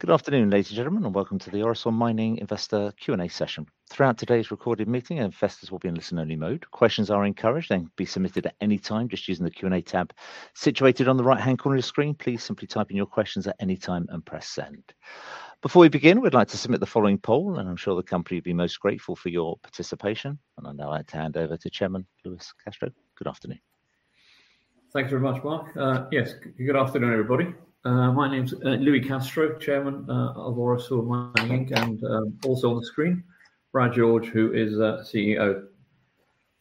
Good afternoon, ladies and gentlemen and welcome to the Orosur Mining Investor Q&A session. Throughout today's recorded meeting, investors will be in listen-only mode. Questions are encouraged and can be submitted at any time just using the Q&A tab situated on the right-hand corner of your screen. Please simply type in your questions at any time and press send. Before we begin, we'd like to submit the following poll and I'm sure the company will be most grateful for your participation. I'd now like to hand over to Chairman Louis Castro. Good afternoon. Thanks very much, Mark. Yes. Good afternoon, everybody. My name's Louis Castro, Chairman of Orosur Mining. Also on the screen, Brad George, who is our CEO.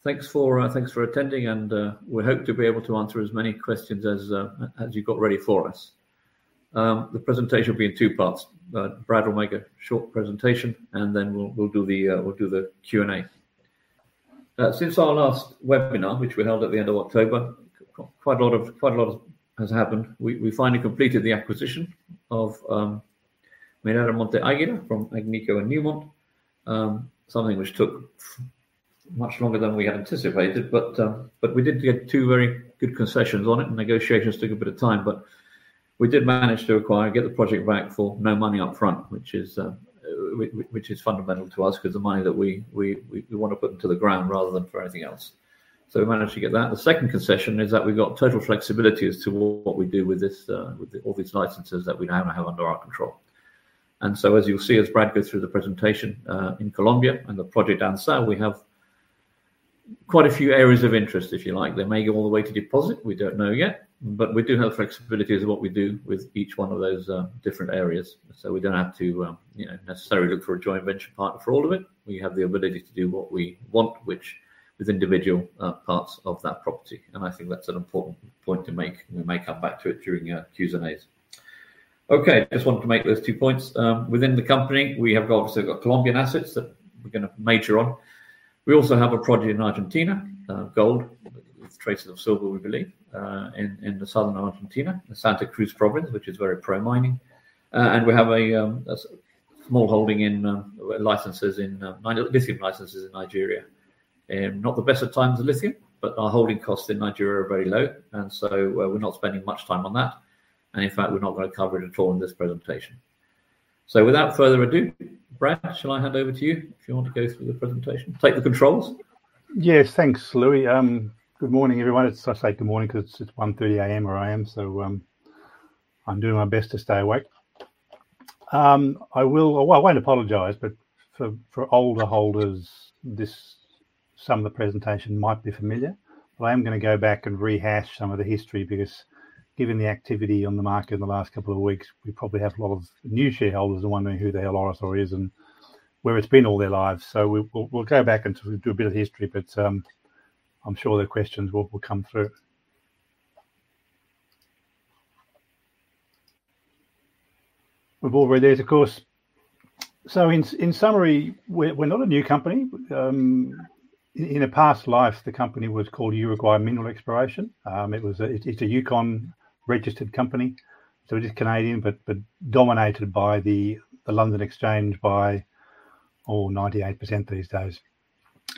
Thanks for attending and we hope to be able to answer as many questions as you've got ready for us. The presentation will be in two parts. Brad will make a short presentation and then we'll do the Q&A. Since our last webinar, which we held at the end of October, quite a lot has happened. We finally completed the acquisition of Minera Monte Águila from Agnico Eagle, something which took much longer than we had anticipated. We did get two very good concessions on it and negotiations took a bit of time. We did manage to acquire and get the project back for no money up front, which is fundamental to us 'cause the money that we wanna put into the ground rather than for anything else. We managed to get that. The second concession is that we've got total flexibility as to what we do with this, with all these licenses that we now have under our control. As you'll see as Brad goes through the presentation, in Colombia and the project down south, we have quite a few areas of interest, if you like. They may go all the way to deposit, we don't know yet. We do have flexibility as to what we do with each one of those, different areas. We don't have to, you know, necessarily look for a joint venture partner for all of it. We have the ability to do what we want, which with individual parts of that property. I think that's an important point to make. We may come back to it during our Q&A. Okay, just wanted to make those two points. Within the company, we have obviously got Colombian assets that we're gonna major on. We also have a project in Argentina, gold with traces of silver, we believe, in the southern Argentina, the Santa Cruz province, which is very pro-mining. We have a small holding in lithium licenses in Nigeria. Not the best of times for lithium but our holding costs in Nigeria are very low. We're not spending much time on that. In fact, we're not gonna cover it at all in this presentation. Without further ado, Brad, shall I hand over to you if you want to go through the presentation? Take the controls. Yes. Thanks, Louis. Good morning, everyone. I say good morning 'cause it's 1:30 A.M. where I am, so I'm doing my best to stay awake. Well, I won't apologize but for older holders, some of the presentation might be familiar. I am gonna go back and rehash some of the history because given the activity on the market in the last couple of weeks, we probably have a lot of new shareholders wondering who the hell Orosur is and where it's been all their lives. We'll go back and do a bit of history. I'm sure the questions will come through. We're already there, of course. In summary, we're not a new company. In a past life, the company was called Uruguay Mineral Exploration. It's a Yukon-registered company. We're just Canadian but dominated by the London Exchange by 98% these days.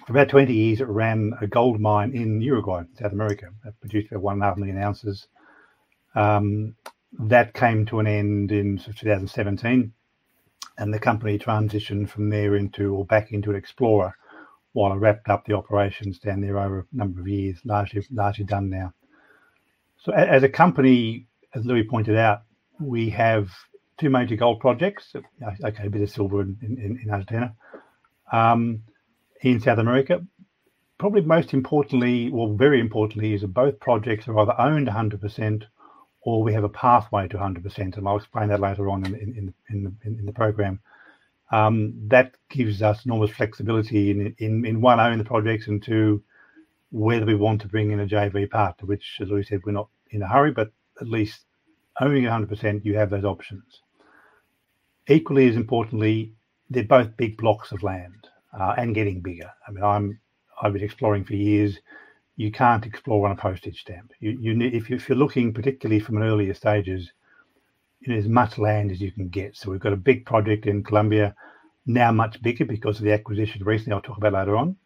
For about 20 years, it ran a gold mine in Uruguay, South America, that produced 1.5 million ounces. That came to an end in sort of 2017 and the company transitioned from there into or back into an explorer while it wrapped up the operations down there over a number of years. Largely done now. As a company, as Louis pointed out, we have two major gold projects. Okay, a bit of silver in Argentina, in South America. Probably most importantly or very importantly is that both projects are either owned 100% or we have a pathway to 100% and I'll explain that later on in the program. That gives us enormous flexibility in one, owning the projects and two, whether we want to bring in a JV partner, which as Louis said, we're not in a hurry. At least owning it 100%, you have those options. Equally as importantly, they're both big blocks of land and getting bigger. I mean, I've been exploring for years. You can't explore on a postage stamp. If you're looking particularly from an earlier stages, you need as much land as you can get. We've got a big project in Colombia, now much bigger because of the acquisition recently I'll talk about later on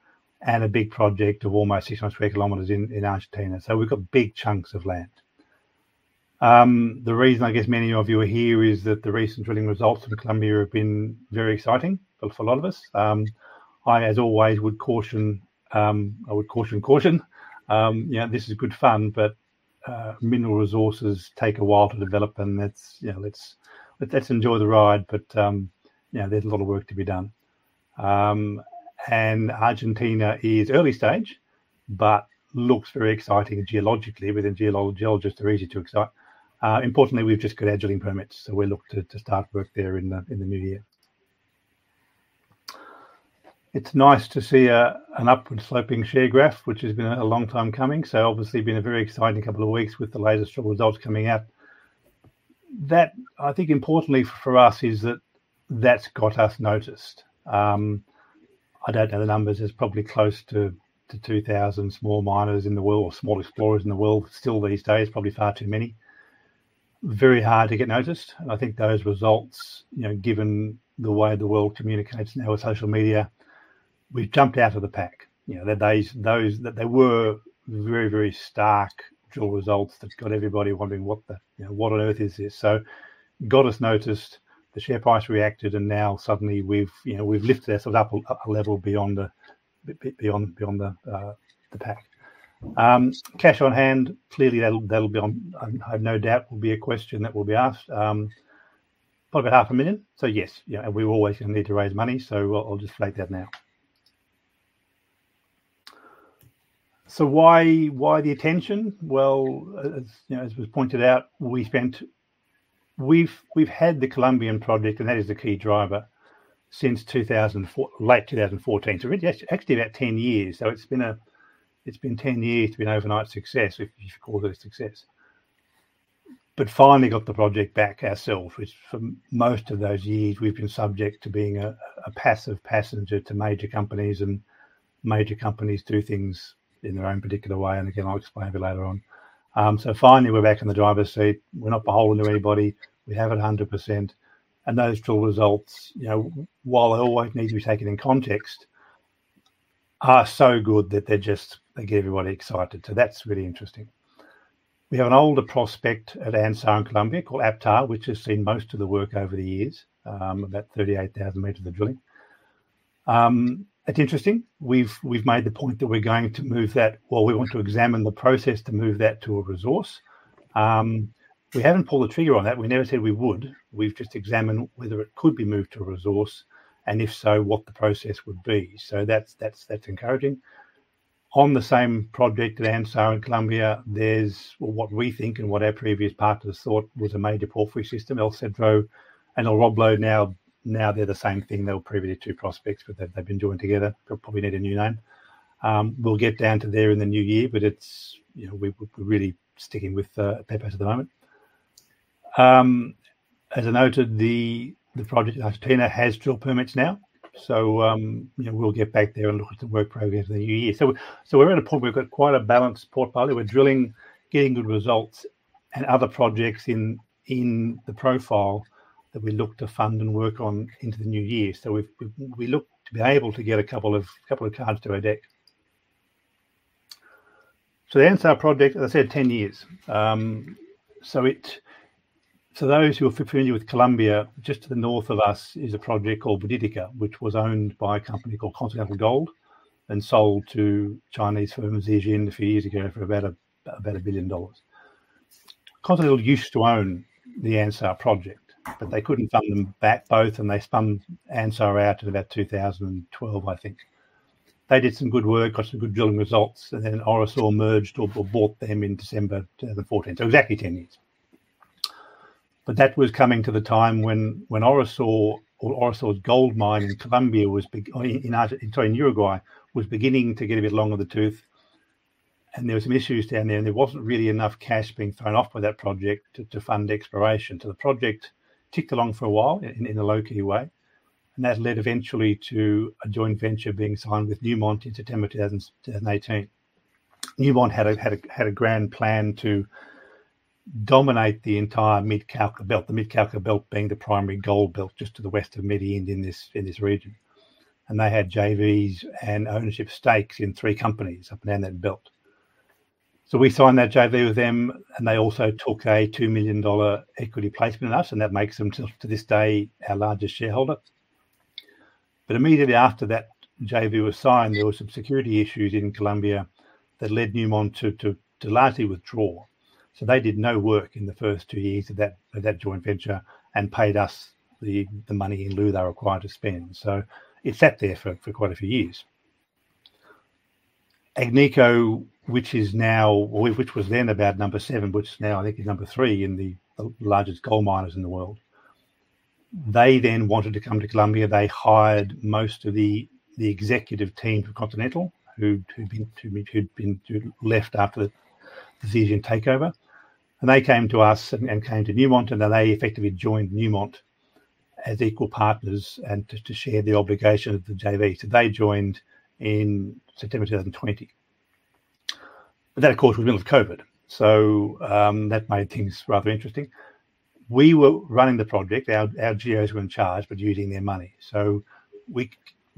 and a big project of almost 600 sq km in Argentina. We've got big chunks of land. The reason I guess many of you are here is that the recent drilling results for Colombia have been very exciting for a lot of us. As always, I would caution caution. You know, this is good fun but mineral resources take a while to develop and that's, you know, let's enjoy the ride but you know, there's a lot of work to be done. Argentina is early stage but looks very exciting geologically. Geologists are easy to excite. Importantly, we've just got drilling permits, so we look to start work there in the new year. It's nice to see an upward sloping share graph, which has been a long time coming. Obviously been a very exciting couple of weeks with the latest drill results coming out. That, I think importantly for us, is that that's got us noticed. I don't know the numbers. There's probably close to 2,000 small miners in the world, small explorers in the world still these days. Probably far too many. Very hard to get noticed. I think those results, you know, given the way the world communicates now with social media. We've jumped out of the pack. You know, they were very stark drill results that's got everybody wondering what on earth is this? Got us noticed. The share price reacted and now suddenly we've, you know, we've lifted ourselves up a level beyond beyond the pack. Cash on hand, clearly that'll be on. I have no doubt will be a question that will be asked. Probably about $ half a million. Yes, you know and we're always gonna need to raise money, so I'll just state that now. Why the attention? Well, as you know, as was pointed out, we've had the Colombian project and that is the key driver, since 2014, late 2014. Really actually about 10 years. It's been 10 years, it's been an overnight success, if you call it a success. Finally got the project back ourselves. Which for most of those years we've been subject to being a passive passenger to major companies and major companies do things in their own particular way. Again, I'll explain a bit later on. Finally we're back in the driver's seat. We're not beholden to anybody. We have it 100%. Those drill results, you know, while they always need to be taken in context, are so good that they're just, they get everybody excited. That's really interesting. We have an older prospect at Anzá in Colombia called APTA, which has seen most of the work over the years. About 38,000 meters of drilling. It's interesting. We've made the point that we're going to move that or we want to examine the process to move that to a resource. We haven't pulled the trigger on that. We never said we would. We've just examined whether it could be moved to a resource and if so, what the process would be. That's encouraging. On the same project at Anzá in Colombia, there's what we think and what our previous partners thought was a major porphyry system, El Cedro. El Roble now they're the same thing. They were previously two prospects but they've been joined together. They'll probably need a new name. We'll get down to there in the new year but it's, you know, we're really sticking with Pepas at the moment. As I noted, the project at El Pantano has drill permits now, so, you know, we'll get back there and look at the work program for the new year. We're at a point we've got quite a balanced portfolio. We're drilling, getting good results and other projects in the profile that we look to fund and work on into the new year. We look to be able to get a couple of cards to our deck. The Anzá project, as I said, 10 years. For those who are familiar with Colombia, just to the north of us is a project called Buriticá, which was owned by a company called Continental Gold and sold to Chinese firm Zijin Mining a few years ago for about $1 billion. Continental used to own the Anzá project but they couldn't fund both and they spun Anzá out in about 2012, I think. They did some good work, got some good drilling results and then Orosur merged or bought them in December 2014. Exactly 10 years. That was coming to the time when Orosur's gold mine in Uruguay was beginning to get a bit long in the tooth and there was some issues down there and there wasn't really enough cash being thrown off by that project to fund exploration. The project ticked along for a while in a low-key way and that led eventually to a joint venture being signed with Newmont in September 2018. Newmont had a grand plan to dominate the entire Mid-Cauca Belt. The Mid-Cauca Belt being the primary gold belt just to the west of Medellín in this region. They had JVs and ownership stakes in three companies up and down that belt. We signed that JV with them and they also took a $2 million equity placement in us and that makes them still to this day our largest shareholder. Immediately after that JV was signed, there were some security issues in Colombia that led Newmont to largely withdraw. They did no work in the first two years of that joint venture and paid us the money in lieu they were required to spend. It sat there for quite a few years. Agnico, which was then about number seven, which now I think is number three in the largest gold miners in the world. They then wanted to come to Colombia. They hired most of the executive team for Continental who'd left after the Zijin takeover. They came to us and came to Newmont and then they effectively joined Newmont as equal partners and to share the obligation of the JV. They joined in September 2020. Then of course we're in the middle of COVID, so that made things rather interesting. We were running the project. Our geos were in charge but using their money. We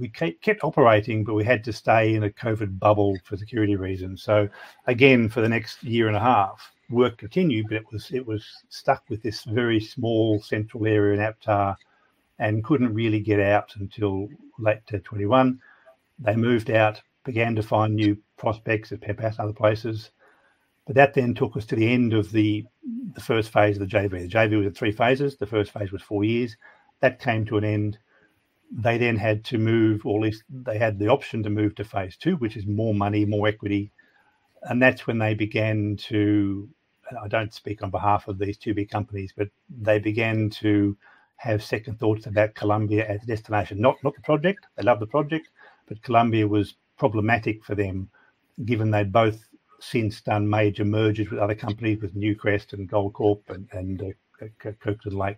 kept operating but we had to stay in a COVID bubble for security reasons. Again, for the next year and a half, work continued but it was stuck with this very small central area in Apta and couldn't really get out until late 2021. They moved out, began to find new prospects at Pepas and other places. That then took us to the end of the first phase of the JV. The JV was in three phases. The first phase was four years. That came to an end. They then had to move or at least they had the option to move to phase two, which is more money, more equity. That's when they began to. I don't speak on behalf of these two big companies but they began to have second thoughts about Colombia as a destination. Not the project. They love the project. But Colombia was problematic for them given they'd both since done major mergers with other companies, with Newcrest and Goldcorp and Kirkland Lake.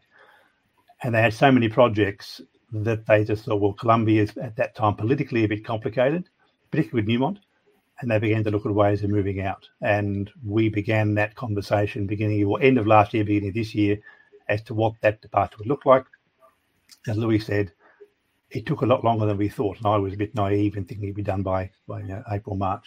They had so many projects that they just thought, well, Colombia is at that time politically a bit complicated, particularly with Newmont. They began to look at ways of moving out. We began that conversation beginning or end of last year, beginning of this year, as to what that departure would look like. As Louis said, it took a lot longer than we thought and I was a bit naive in thinking it'd be done by April, March.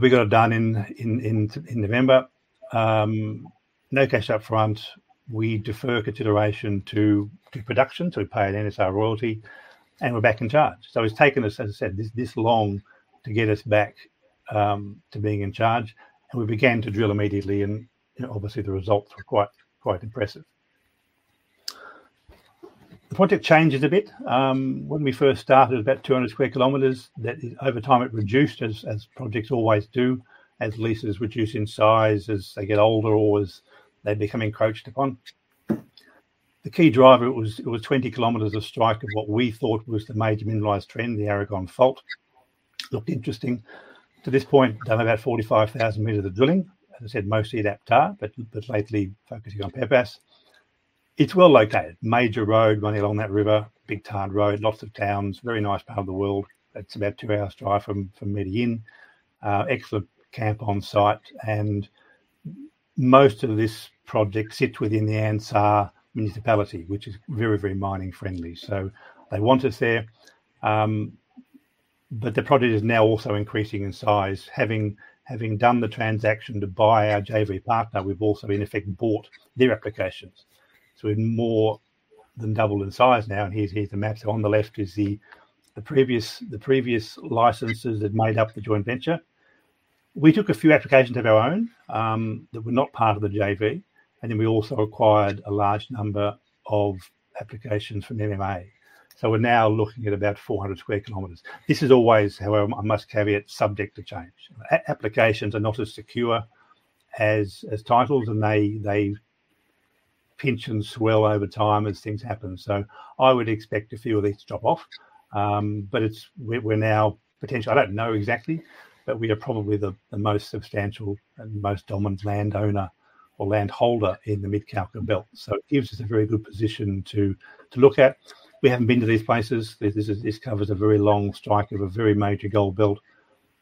We got it done in November. No cash up front. We defer consideration to production, so we pay an NSR royalty and we're back in charge. It's taken us, as I said, this long to get us back to being in charge. We began to drill immediately and obviously the results were quite impressive. The project changes a bit. When we first started, about 200 square kilometers. That over time it reduced, as projects always do, as leases reduce in size, as they get older or as they become encroached upon. The key driver, it was 20 kilometers of strike of what we thought was the major mineralized trend, the Aragón Fault. Looked interesting. To this point, we've done about 45,000 meters of drilling. As I said, mostly at APTA but lately focusing on Pepas. It's well located. Major road running along that river. Big tarred road. Lots of towns. Very nice part of the world. It's about two hours drive from Medellín. Excellent camp on site. Most of this project sits within the Anzá municipality, which is very mining friendly. They want us there. The project is now also increasing in size. Having done the transaction to buy our JV partner, we've also in effect bought their applications. We've more than doubled in size now, here's the maps. On the left is the previous licenses that made up the joint venture. We took a few applications of our own that were not part of the JV and then we also acquired a large number of applications from MMA. We're now looking at about 400 sq km. This is always, however, I must caveat, subject to change. Applications are not as secure as titles and they pinch and swell over time as things happen. I would expect a few of these to drop off. We're now potentially, I don't know exactly but we are probably the most substantial and most dominant landowner or landholder in the Mid-Cauca Belt. It gives us a very good position to look at. We haven't been to these places. This covers a very long strike of a very major gold belt.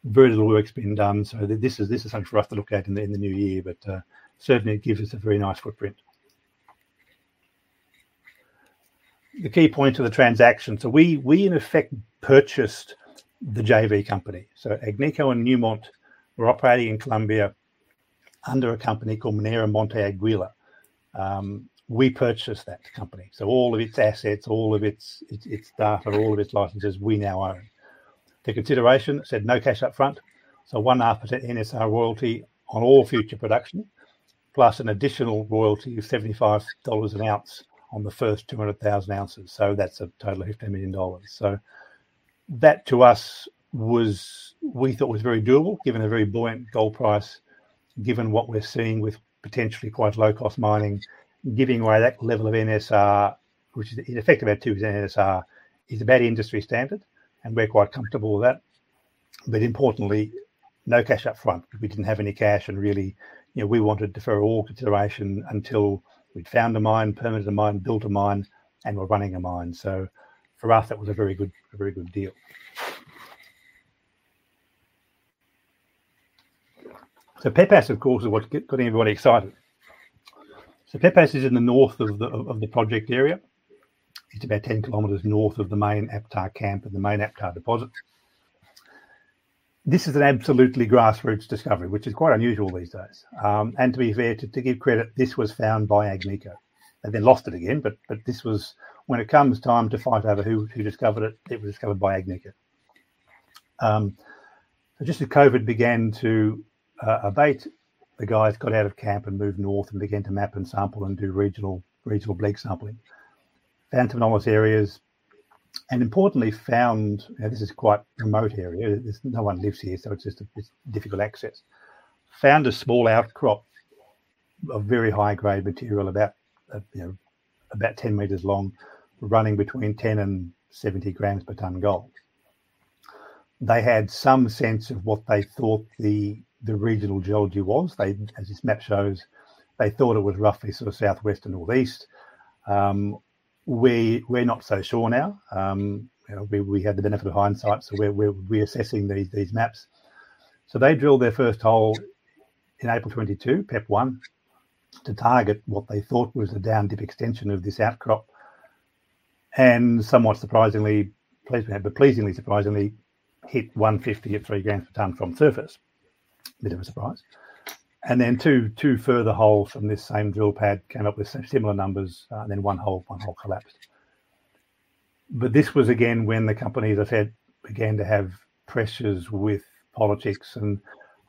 Very little work's been done, this is something for us to look at in the new year. Certainly it gives us a very nice footprint. The key point of the transaction. We in effect purchased the JV company. Agnico and Newmont were operating in Colombia under a company called Minera Monte Águila. We purchased that company. All of its assets, all of its data, all of its licenses, we now own. The consideration is no cash up front. 0.5% NSR royalty on all future production, plus an additional royalty of $75 an ounce on the first 200,000 ounces. That's a total of $15 million. That to us was we thought was very doable, given the very buoyant gold price, given what we're seeing with potentially quite low-cost mining. Giving away that level of NSR, which is in effect about 2% NSR, is about industry standard and we're quite comfortable with that. Importantly, no cash up front. We didn't have any cash and really, you know, we wanted to defer all consideration until we'd found a mine, permitted a mine, built a mine and were running a mine. For us, that was a very good deal. Pepas, of course, is what got everybody excited. Pepas is in the north of the project area. It's about 10 km north of the main APTA camp and the main APTA deposit. This is an absolutely grassroots discovery, which is quite unusual these days. To be fair, to give credit, this was found by Agnico. They lost it again but this was when it comes time to fight over who discovered it was discovered by Agnico. Just as COVID began to abate, the guys got out of camp and moved north and began to map and sample and do regional ridge sampling. Found anomalous areas and importantly, this is quite a remote area. No one lives here, so it's difficult access. Found a small outcrop of very high-grade material about, you know, about 10 meters long, running between 10 and 70 grams per tonne gold. They had some sense of what they thought the regional geology was. As this map shows, they thought it was roughly sort of southwest and northeast. We're not so sure now. You know, we had the benefit of hindsight, so we're reassessing these maps. They drilled their first hole in April 2022, PEP-1, to target what they thought was a down-dip extension of this outcrop. Somewhat surprisingly, pleased me but pleasingly surprisingly, hit 150 at 3 grams per tonne from surface. Bit of a surprise. Two further holes from this same drill pad came up with similar numbers. One hole collapsed. This was again, when the companies I've said began to have pressures with politics and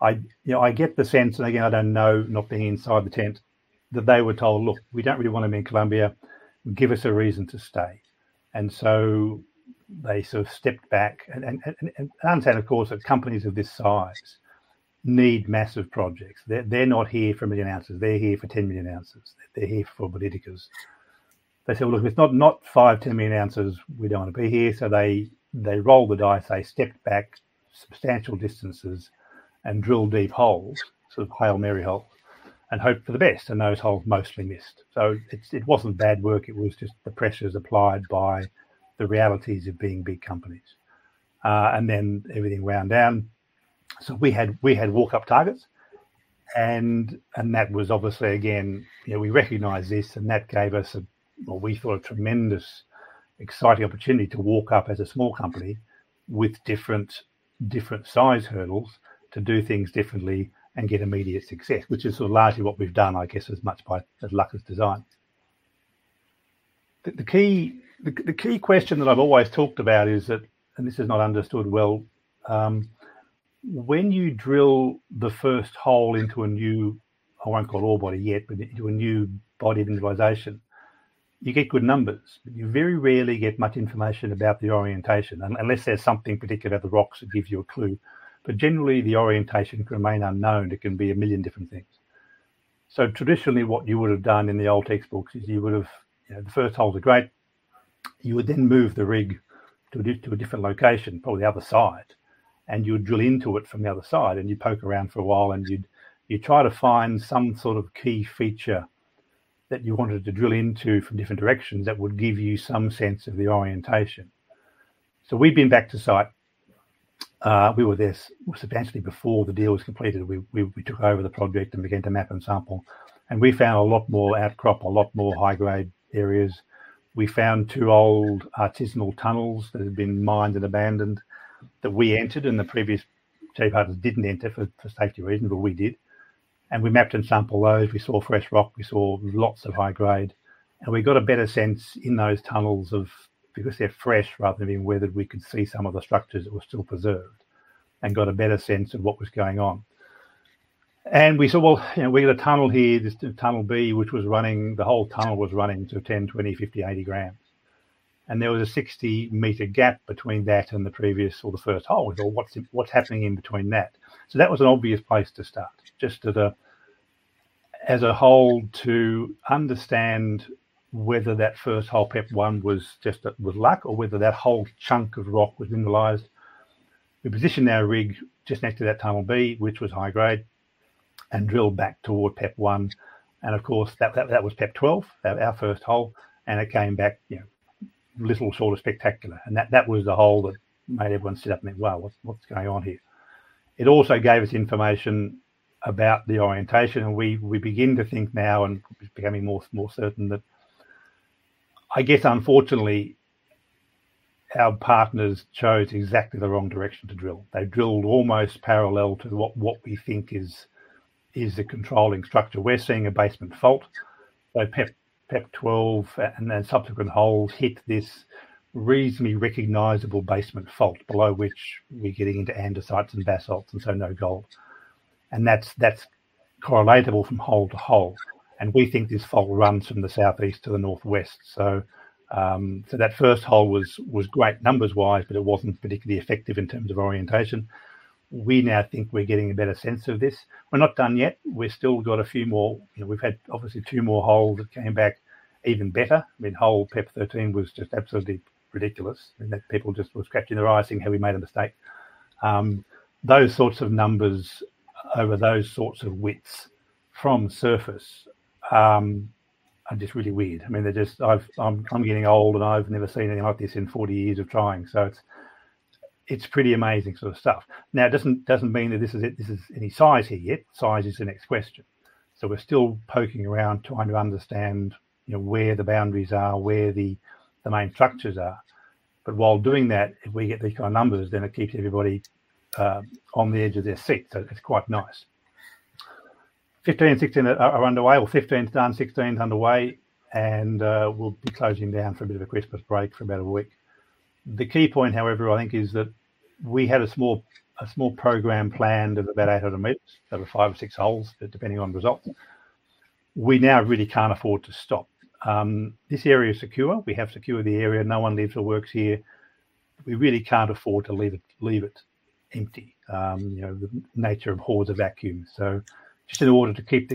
I, you know, I get the sense and again, I don't know, not being inside the tent, that they were told, "Look, we don't really want to be in Colombia. Give us a reason to stay." They sort of stepped back. Understand, of course, that companies of this size need massive projects. They're not here for 1 million ounces. They're here for 10 million ounces. They're here for Tier 1. They said, "Look, if it's not 5-10 million ounces, we don't want to be here." They rolled the dice. They stepped back substantial distances and drilled deep holes, sort of Hail Mary holes. Hope for the best and those holes mostly missed. It wasn't bad work, it was just the pressures applied by the realities of being big companies. Then everything wound down. We had walk-up targets and that was obviously again, you know, we recognized this and that gave us a what we thought a tremendous exciting opportunity to walk up as a small company with different size hurdles to do things differently and get immediate success, which is sort of largely what we've done, I guess, as much by as luck as design. The key question that I've always talked about is that and this is not understood well, when you drill the first hole into a new, I won't call it ore body yet but into a new body of mineralization, you get good numbers. You very rarely get much information about the orientation unless there's something particular about the rocks that gives you a clue. Generally, the orientation can remain unknown. It can be a million different things. Traditionally what you would have done in the old textbooks is you would have, you know, the first hole's a great. You would then move the rig to a different location, probably the other side and you would drill into it from the other side and you'd poke around for a while and you'd try to find some sort of key feature that you wanted to drill into from different directions that would give you some sense of the orientation. We've been back to site. We were there substantially before the deal was completed. We took over the project and began to map and sample. We found a lot more outcrop, a lot more high-grade areas. We found 2 old artisanal tunnels that had been mined and abandoned, that we entered and the previous two partners didn't enter for safety reasons but we did. We mapped and sampled those. We saw fresh rock. We saw lots of high grade. We got a better sense in those tunnels of, because they're fresh rather than being weathered, we could see some of the structures that were still preserved and got a better sense of what was going on. We saw, well, you know, we got a tunnel here, this tunnel B, which was running, the whole tunnel was running to 10, 20, 50, 80 grams. There was a 60-meter gap between that and the previous or the first hole. We thought, "What's happening in between that?" That was an obvious place to start, just as a whole to understand whether that first hole, PEP-1, was just luck or whether that whole chunk of rock was mineralized. We positioned our rig just next to that tunnel B, which was high grade and drilled back toward PEP-1. Of course, that was PEP-12, our first hole and it came back, you know, little short of spectacular. That was the hole that made everyone sit up and went, "Wow, what's going on here?" It also gave us information about the orientation and we begin to think now and it's becoming more certain that I guess unfortunately, our partners chose exactly the wrong direction to drill. They drilled almost parallel to what we think is the controlling structure. We're seeing a basement fault. PEP-12 and then subsequent holes hit this reasonably recognizable basement fault below which we're getting into andesites and basalts and so no gold. That's correlatable from hole to hole. We think this fault runs from the southeast to the northwest. That first hole was great numbers-wise but it wasn't particularly effective in terms of orientation. We now think we're getting a better sense of this. We're not done yet. We've still got a few more. You know, we've had obviously two more holes that came back even better. I mean, hole PEP-13 was just absolutely ridiculous in that people just were rubbing their eyes saying, "Have we made a mistake?" Those sorts of numbers over those sorts of widths from surface are just really weird. I mean, they're just. I'm getting old and I've never seen anything like this in 40 years of trying. It's pretty amazing sort of stuff. Now, it doesn't mean that this is it, this is any size here yet. Size is the next question. We're still poking around trying to understand, you know, where the boundaries are, where the main structures are. While doing that, if we get these kind of numbers, then it keeps everybody on the edge of their seat. It's quite nice. 15 and 16 are underway or 15's done, 16's underway and we'll be closing down for a bit of a Christmas break for about a week. The key point, however, I think, is that we had a small program planned of about 800 meters. There were five or six holes depending on results. We now really can't afford to stop. This area is secure. We have secured the area. No one lives or works here. We really can't afford to leave it empty. You know, the nature of holes are vacuums. Just in order to keep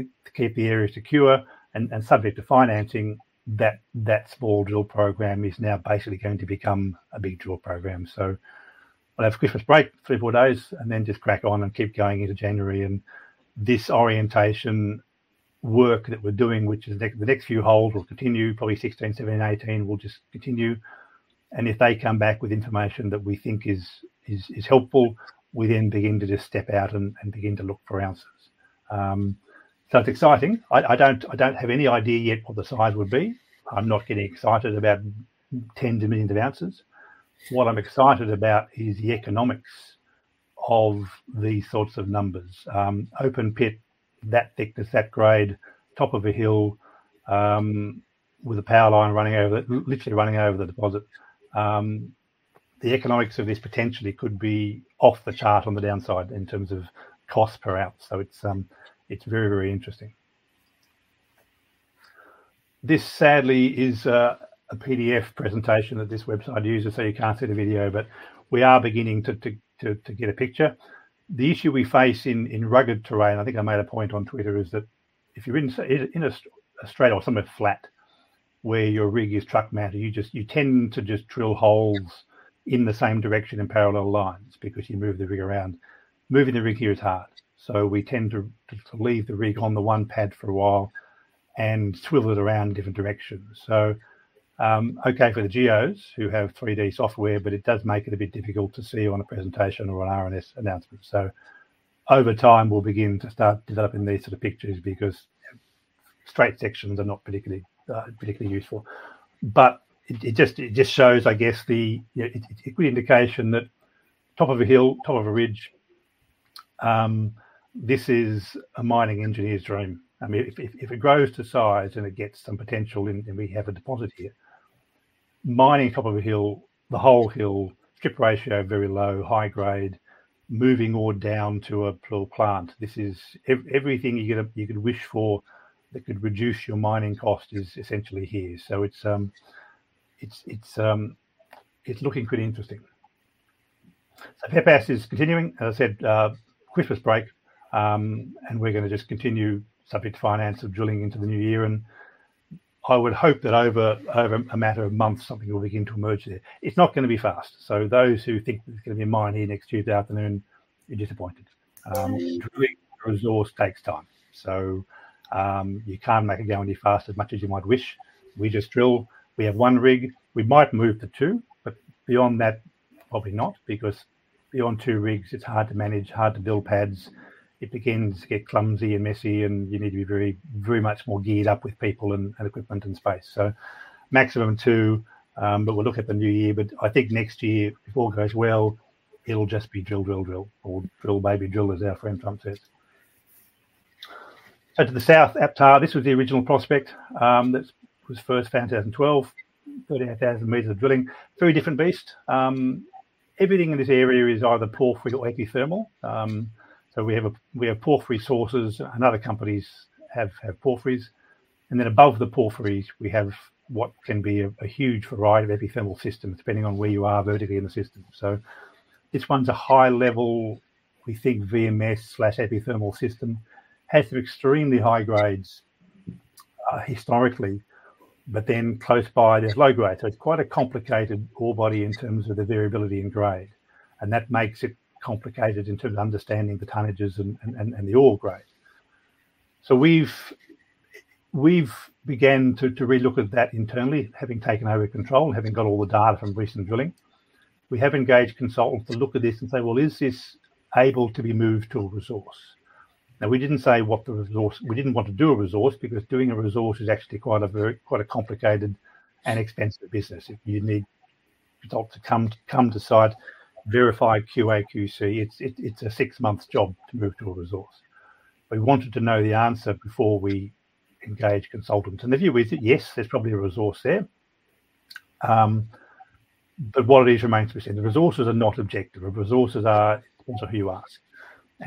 the area secure and subject to financing, that small drill program is now basically going to become a big drill program. We'll have Christmas break, three-four days and then just crack on and keep going into January. This orientation work that we're doing, which is the next few holes will continue, probably 16, 17, 18, will just continue. If they come back with information that we think is helpful, we then begin to just step out and begin to look for answers. It's exciting. I don't have any idea yet what the size would be. I'm not getting excited about 10-20 million ounces. What I'm excited about is the economics of these sorts of numbers. Open pit, that thickness, that grade, top of a hill, with a power line running over, literally running over the deposit. The economics of this potentially could be off the chart on the downside in terms of cost per ounce. It's very, very interesting. This sadly is a PDF presentation that this website uses, so you can't see the video but we are beginning to get a picture. The issue we face in rugged terrain, I think I made a point on Twitter, is that if you're in a straight or somewhere flat where your rig is truck mounted. You tend to just drill holes in the same direction in parallel lines because you move the rig around. Moving the rig here is hard, so we tend to leave the rig on the one pad for a while and turn it around different directions. Okay for the geos who have 3-D software but it does make it a bit difficult to see on a presentation or an RNS announcement. Over time, we'll begin to start developing these sort of pictures because straight sections are not particularly useful. It just shows, I guess, the yeah, a good indication that top of a hill, top of a ridge, this is a mining engineer's dream. I mean, if it grows to size and it gets some potential and we have a deposit here. Mining top of a hill, the whole hill, strip ratio very low, high grade, moving ore down to a plant. This is everything you're gonna you could wish for that could reduce your mining cost is essentially here. It's looking pretty interesting. Pepas is continuing. As I said, Christmas break and we're gonna just continue subject to finance of drilling into the new year. I would hope that over a matter of months, something will begin to emerge there. It's not gonna be fast. Those who think it's gonna be mining next Tuesday afternoon, you're disappointed. Drilling a resource takes time. You can't make it go any faster, much as you might wish. We just drill. We have one rig. We might move to two. Beyond that, probably not, because beyond two rigs, it's hard to manage, hard to build pads. It begins to get clumsy and messy and you need to be very, very much more geared up with people and equipment and space. Maximum 2, we'll look at the new year. I think next year, if all goes well, it'll just be drill, drill or drill, baby, drill, as our friend Trump says. To the south, APTA. This was the original prospect that was first found in 2012. 38,000 meters of drilling. Very different beast. Everything in this area is either porphyry or epithermal. We have porphyry sources and other companies have porphyries. Above the porphyries, we have what can be a huge variety of epithermal systems, depending on where you are vertically in the system. This one's a high level, we think VMS/epithermal system. It has some extremely high grades historically but then close by there's low grade. It's quite a complicated ore body in terms of the variability in grade and that makes it complicated in terms of understanding the tonnages and the ore grade. We've began to relook at that internally, having taken over control, having got all the data from recent drilling. We have engaged consultants to look at this and say, "Well, is this able to be moved to a resource?" Now, we didn't want to do a resource, because doing a resource is actually quite a very complicated and expensive business. If you need a doctor to come to site, verify QA, QC, it's a six-month job to move to a resource. We wanted to know the answer before we engage consultants. The view is that, yes, there's probably a resource there. But what it is remains to be seen. The resources are not objective. Resources are depends on who you ask.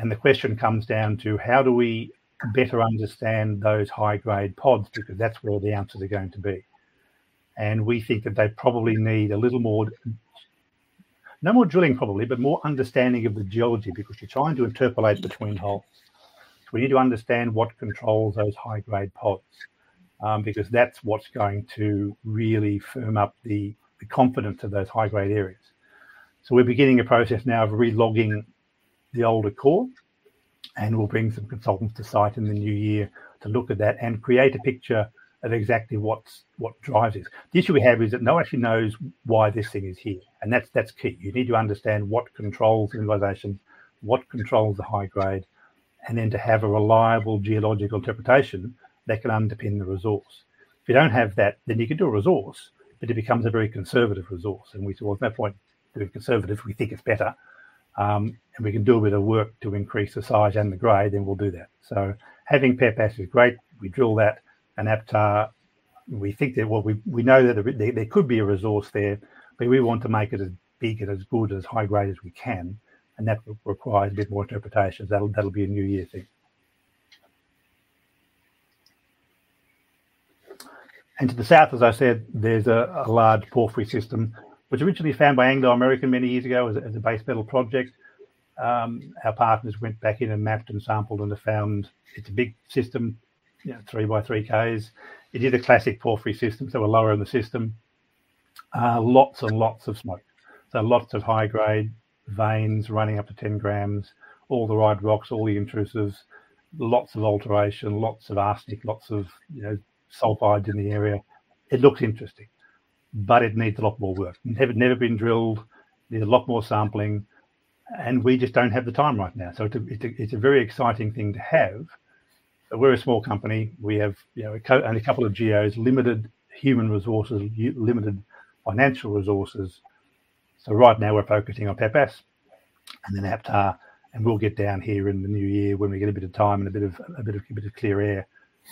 The question comes down to, how do we better understand those high grade pods? Because that's where all the answers are going to be. We think that they probably need no more drilling probably but more understanding of the geology, because you're trying to interpolate between holes. We're beginning a process now of re-logging the older core and we'll bring some consultants to site in the new year to look at that and create a picture of exactly what drives this. The issue we have is that no one actually knows why this thing is here and that's key. You need to understand what controls mineralization, what controls the high grade and then to have a reliable geological interpretation that can underpin the resource. If you don't have that, then you can do a resource but it becomes a very conservative resource. We thought, well, at that point, if we're conservative, we think it's better. If we can do a bit of work to increase the size and the grade, then we'll do that. Having Pepas is great. We drill that. APTA, we think that, well, we know that there could be a resource there but we want to make it as big and as good, as high grade as we can and that will require a bit more interpretation. That'll be a new year thing. To the south, as I said, there's a large porphyry system, which originally found by Anglo American many years ago as a base metal project. Our partners went back in and mapped and sampled and have found it's a big system, you know, three by three Ks. It is a classic porphyry system, so we're lower in the system. Lots and lots of smoke. Lots of high grade veins running up to 10 grams. All the right rocks, all the intrusives. Lots of alteration, lots of arsenic, lots of, you know, sulfides in the area. It looks interesting but it needs a lot more work. Never been drilled. There's a lot more sampling. We just don't have the time right now. It's a very exciting thing to have. We're a small company. We have, you know, only a couple of geos, limited human resources, limited financial resources. Right now we're focusing on Pepas and then APTA and we'll get down here in the new year when we get a bit of time and a bit of clear air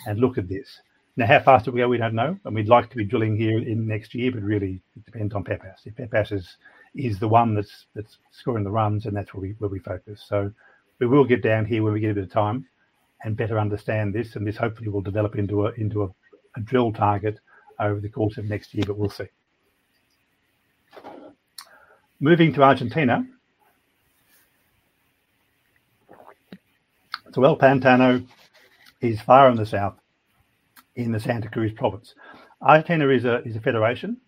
and look at this. Now, how fast it will be, we don't know and we'd like to be drilling here in next year but really it depends on Pepas. If Pepas is the one that's scoring the runs, then that's where we focus. We will get down here when we get a bit of time and better understand this and this hopefully will develop into a drill target over the course of next year but we'll see. Moving to Argentina. El Pantano is far in the south in the Santa Cruz province. Argentina is a federation,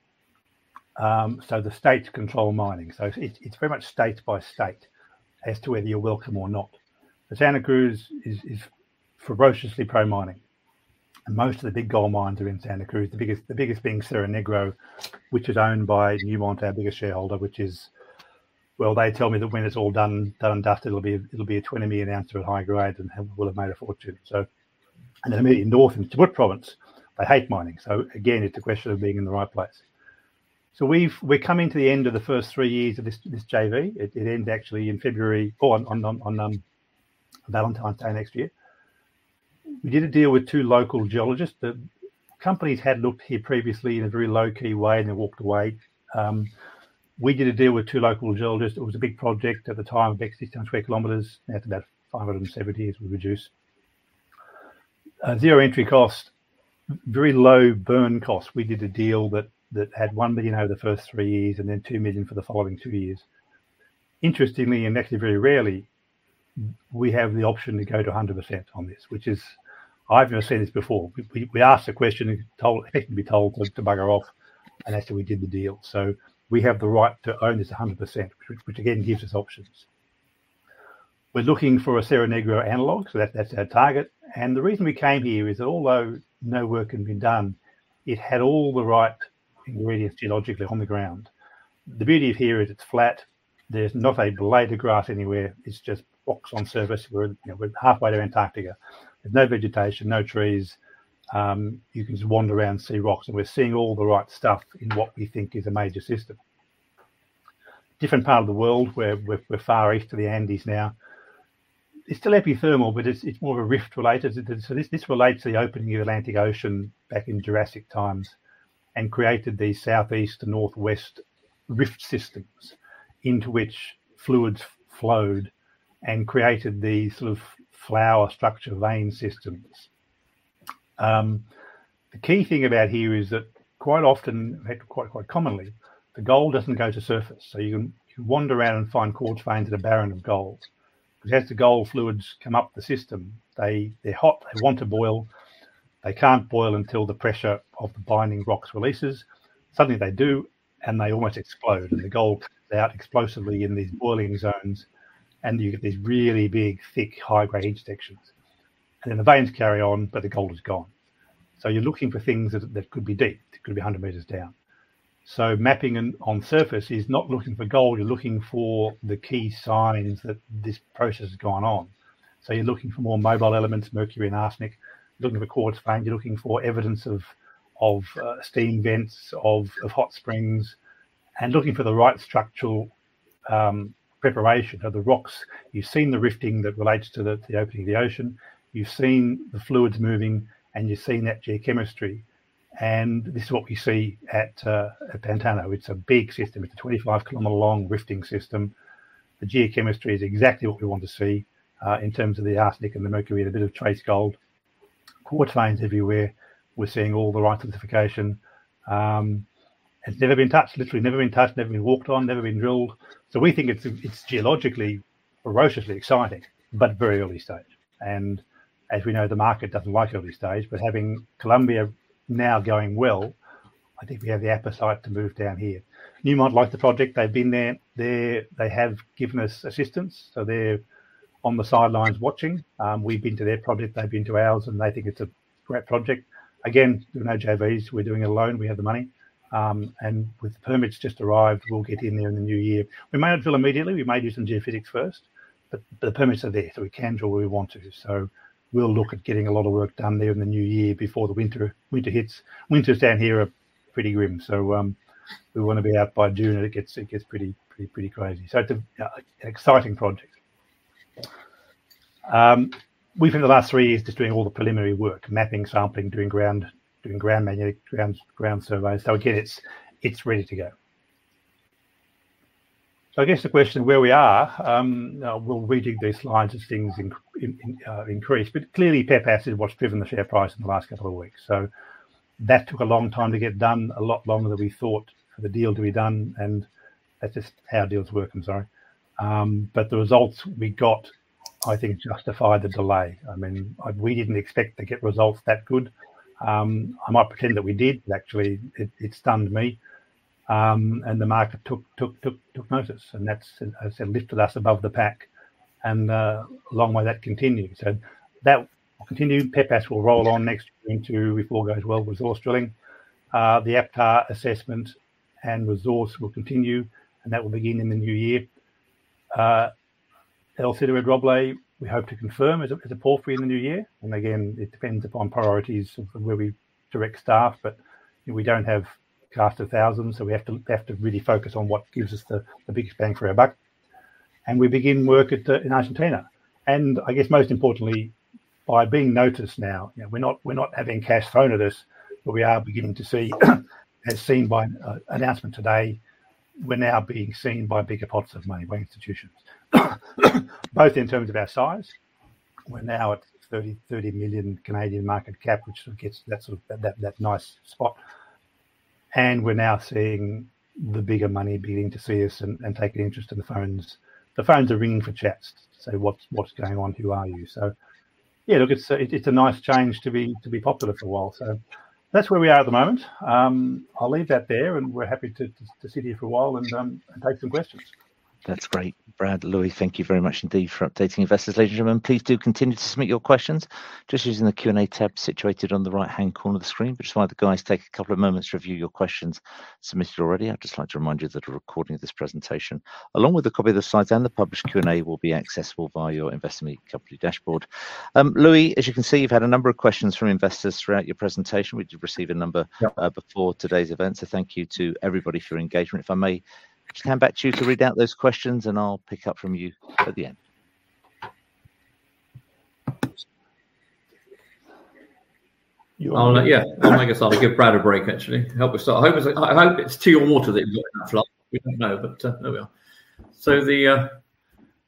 so the states control mining. It's very much state by state as to whether you're welcome or not. Santa Cruz is ferociously pro-mining and most of the big gold mines are in Santa Cruz. The biggest being Cerro Negro, which is owned by Newmont, our biggest shareholder. Well, they tell me that when it's all done and dusted, it'll be a 20 million ounce or a high grade and we'll have made a fortune. Immediately north in Chubut Province, they hate mining. Again, it's a question of being in the right place. We're coming to the end of the first three years of this JV. It ends actually in February or on Valentine's Day next year. We did a deal with two local geologists. The companies had looked here previously in a very low-key way and they walked away. We did a deal with two local geologists. It was a big project at the time of 60 sq km. Now it's about 570 as we reduce. Zero entry cost, very low burn cost. We did a deal that had $1 million over the first three years and then $2 million for the following two years. Interestingly, actually very rarely, we have the option to go to 100% on this, which is. I've never seen this before. We asked the question and told, basically told to bugger off, actually we did the deal. We have the right to own this 100%, which again, gives us options. We're looking for a Cerro Negro analog, that's our target. The reason we came here is that although no work had been done, it had all the right ingredients geologically on the ground. The beauty of here is it's flat. There's not a blade of grass anywhere. It's just rocks on surface. We're, you know, we're halfway to Antarctica. There's no vegetation, no trees. You can just wander around and see rocks and we're seeing all the right stuff in what we think is a major system. Different part of the world. We're far east of the Andes now. It's still epithermal but it's more of a rift related. This relates to the opening of the Atlantic Ocean back in Jurassic times and created these southeast and northwest rift systems into which fluids flowed and created these sort of flower structure vein systems. The key thing about here is that quite often, in fact, quite commonly, the gold doesn't go to surface. So you can wander around and find quartz veins that are barren of gold. 'Cause as the gold fluids come up the system, they're hot, they want to boil. They can't boil until the pressure of the binding rocks releases. Suddenly they do and they almost explode. The gold comes out explosively in these boiling zones and you get these really big, thick, high-grade intersections. Then the veins carry on but the gold is gone. So you're looking for things that could be deep. It could be 100 meters down. So mapping on surface is not looking for gold. You're looking for the key signs that this process has gone on. So you're looking for more mobile elements, mercury and arsenic. You're looking for a quartz vein. You're looking for evidence of steam vents, of hot springs and looking for the right structural preparation of the rocks. You've seen the rifting that relates to the opening of the ocean. You've seen the fluids moving and you've seen that geochemistry. This is what we see at El Pantano. It's a big system. It's a 25-kilometer-long rifting system. The geochemistry is exactly what we want to see in terms of the arsenic and the mercury and a bit of trace gold. Quartz veins everywhere. We're seeing all the right silicification. It's never been touched. Literally never been touched, never been walked on, never been drilled. We think it's geologically ferociously exciting but very early stage. As we know, the market doesn't like early stage. Having Colombia now going well, I think we have the appetite to move down here. Newmont likes the project. They've been there. They have given us assistance. They're on the sidelines watching. We've been to their project. They've been to ours and they think it's a great project. Again, doing no JVs. We're doing it alone. We have the money. With permits just arrived, we'll get in there in the new year. We may not drill immediately. We may do some geophysics first. The permits are there, so we can drill where we want to. We'll look at getting a lot of work done there in the new year before the winter hits. Winters down here are pretty grim. We want to be out by June or it gets pretty crazy. It's an exciting project. We've in the last three years just doing all the preliminary work. Mapping, sampling, doing ground magnetic surveys. Again, it's ready to go. I guess the question where we are, we'll re-dig these lines as things increase. But clearly, Pepas is what's driven the share price in the last couple of weeks. That took a long time to get done, a lot longer than we thought for the deal to be done and that's just how deals work. I'm sorry. But the results we got, I think, justify the delay. I mean, we didn't expect to get results that good. I might pretend that we did but actually it stunned me. The market took notice and that's, as I said, lifted us above the pack. Long may that continue. That will continue. Pepas will roll on next into, if all goes well, resource drilling. The APTA assessment and resource will continue and that will begin in the new year. El Roble, we hope to confirm as a porphyry in the new year. Again, it depends upon priorities of where we direct staff but, you know, we don't have cast of thousands, so we have to really focus on what gives us the biggest bang for our buck. We begin work at the, in Argentina. I guess most importantly, by being noticed now, you know, we're not having cash thrown at us but we are beginning to see, as seen by an announcement today, we're now being seen by bigger pots of money, by institutions. Both in terms of our size. We're now at 30 million market cap, which sort of gets that nice spot. We're now seeing the bigger money beginning to see us and take an interest in the phones. The phones are ringing for chats to say, "What's going on? Who are you?" Yeah, look, it's a nice change to be popular for a while. That's where we are at the moment. I'll leave that there and we're happy to sit here for a while and take some questions. That's great. Brad, Louis, thank you very much indeed for updating investors. Ladies and gentlemen, please do continue to submit your questions just using the Q&A tab situated on the right-hand corner of the screen. Just while the guys take a couple of moments to review your questions submitted already, I'd just like to remind you that a recording of this presentation, along with a copy of the slides and the published Q&A, will be accessible via your Investor Meet Company dashboard. Louis, as you can see, you've had a number of questions from investors throughout your presentation. We did receive a number before today's event, so thank you to everybody for your engagement. If I may just hand back to you to read out those questions and I'll pick up from you at the end. Yeah. I guess I'll give Brad a break, actually. Help yourself. I hope it's tea or water that you've got in that flask. We don't know but there we are.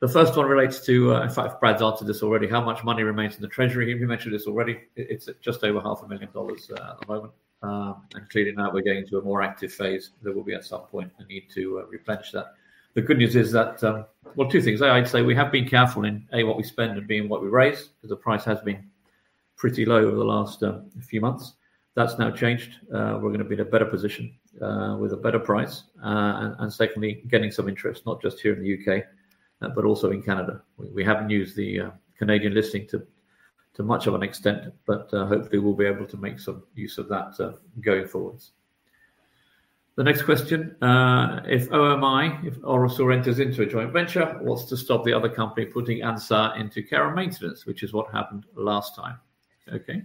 The first one relates to in fact, Brad's answered this already. How much money remains in the treasury? You mentioned this already. It's at just over half a million dollars at the moment. And clearly now we're getting to a more active phase. There will be at some point a need to replenish that. The good news is that well, two things. I'd say we have been careful in A, what we spend and B, in what we raise, because the price has been pretty low over the last few months. That's now changed. We're gonna be in a better position with a better price. And secondly, getting some interest, not just here in the U.K. but also in Canada. We haven't used the Canadian listing to much of an extent but hopefully we'll be able to make some use of that going forwards. The next question. If OMI, if Orosur enters into a joint venture, what's to stop the other company putting Anzá into care and maintenance, which is what happened last time? Okay.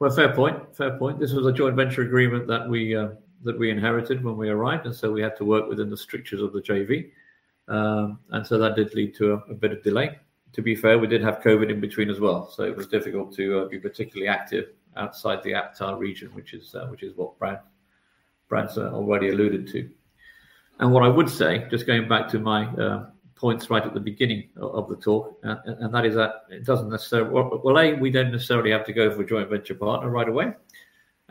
Well, fair point. Fair point. This was a joint venture agreement that we inherited when we arrived and so we had to work within the strictures of the JV. And so that did lead to a bit of delay. To be fair, we did have COVID in between as well, so it was difficult to be particularly active outside the Anzá region, which is what Brad's already alluded to. What I would say, just going back to my points right at the beginning of the talk, is that it doesn't necessarily well, A, we don't necessarily have to go for a joint venture partner right away.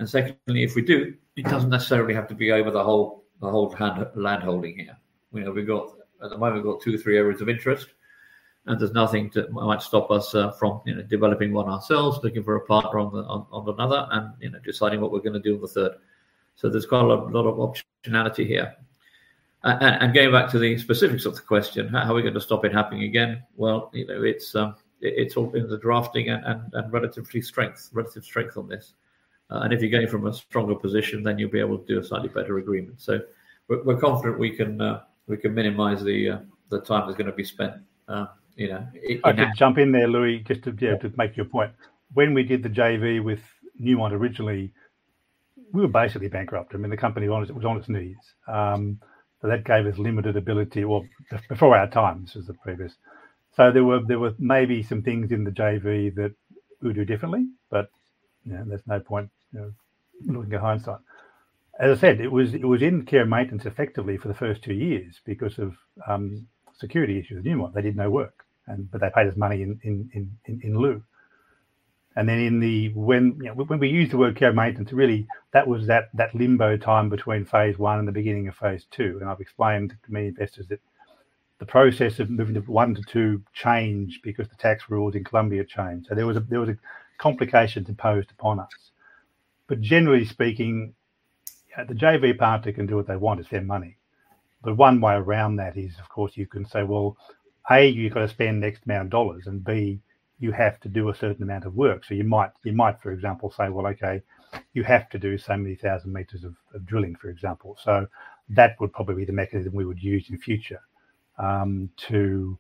Secondly, if we do, it doesn't necessarily have to be over the whole land holding here. You know, at the moment we've got two or three areas of interest and there's nothing that might stop us from, you know, developing one ourselves, looking for a partner on another and, you know, deciding what we're gonna do with the third. There's quite a lot of optionality here. Going back to the specifics of the question, how are we gonna stop it happening again? Well, you know, it's all in the drafting and relative strength on this. If you're going from a stronger position, then you'll be able to do a slightly better agreement. We're confident we can minimize the time that's gonna be spent, you know. I can jump in there, Louis. Yeah, to make your point. When we did the JV with Newmont originally, we were basically bankrupt. I mean, the company was on its knees. So that gave us limited ability, well, before our time. This was the previous. There were maybe some things in the JV that we'd do differently but you know, there's no point, you know, looking at hindsight. As I said, it was in care and maintenance effectively for the first two years because of security issues with Newmont. They did no work but they paid us money in lieu. Then in the when, you know, when we used the word care and maintenance, really that was that limbo time between phase one and the beginning of phase two. I've explained to many investors that the process of moving from one to two changed because the tax rules in Colombia changed. There was a complication imposed upon us. Generally speaking, the JV partner can do what they want. It's their money. The one way around that is, of course, you can say, "Well, A, you've got to spend $X and B, you have to do a certain amount of work." You might, for example, say, "Well, okay, you have to do so many thousand meters of drilling," for example. That would probably be the mechanism we would use in future to,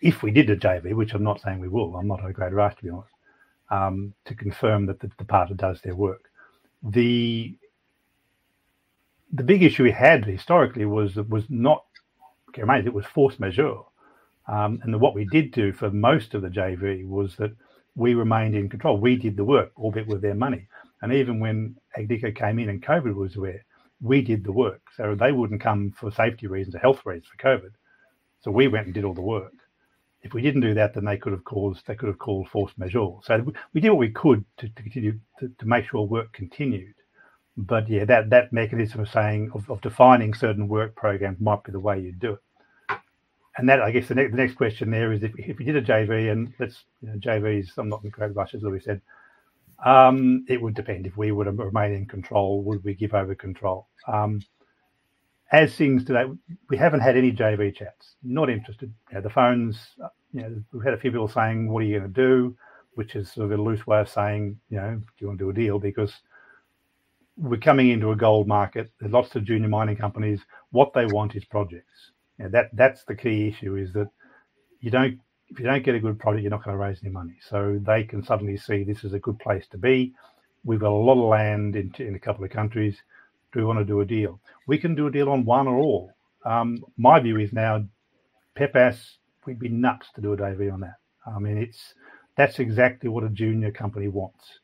if we did a JV, which I'm not saying we will. I'm not a great writer, to be honest. To confirm that the partner does their work. The big issue we had historically was not care and maintenance, it was force majeure. What we did do for most of the JV was that we remained in control. We did the work, albeit with their money. Even when Agnico came in and COVID was there, we did the work. They wouldn't come for safety reasons and health reasons for COVID, so we went and did all the work. If we didn't do that, then they could have called force majeure. We did what we could to continue to make sure work continued. Yeah, that mechanism of saying, of defining certain work programs might be the way you'd do it. Then I guess the next question there is if we did a JV and let's, you know, JVs, I'm not incredibly versed, as Louis said, it would depend. If we would have remained in control, would we give over control? As things today, we haven't had any JV chats. Not interested. You know, the phone's, you know, we've had a few people saying, "What are you gonna do?" Which is sort of a loose way of saying, "You know, do you wanna do a deal?" Because we're coming into a gold market. There's lots of junior mining companies. What they want is projects. You know, that's the key issue is that you don't, if you don't get a good project, you're not gonna raise any money. They can suddenly see this is a good place to be. We've got a lot of land in a couple of countries. Do we wanna do a deal? We can do a deal on one or all. My view is now, Pepas, we'd be nuts to do a JV on that. I mean, it's that exactly what a junior company wants.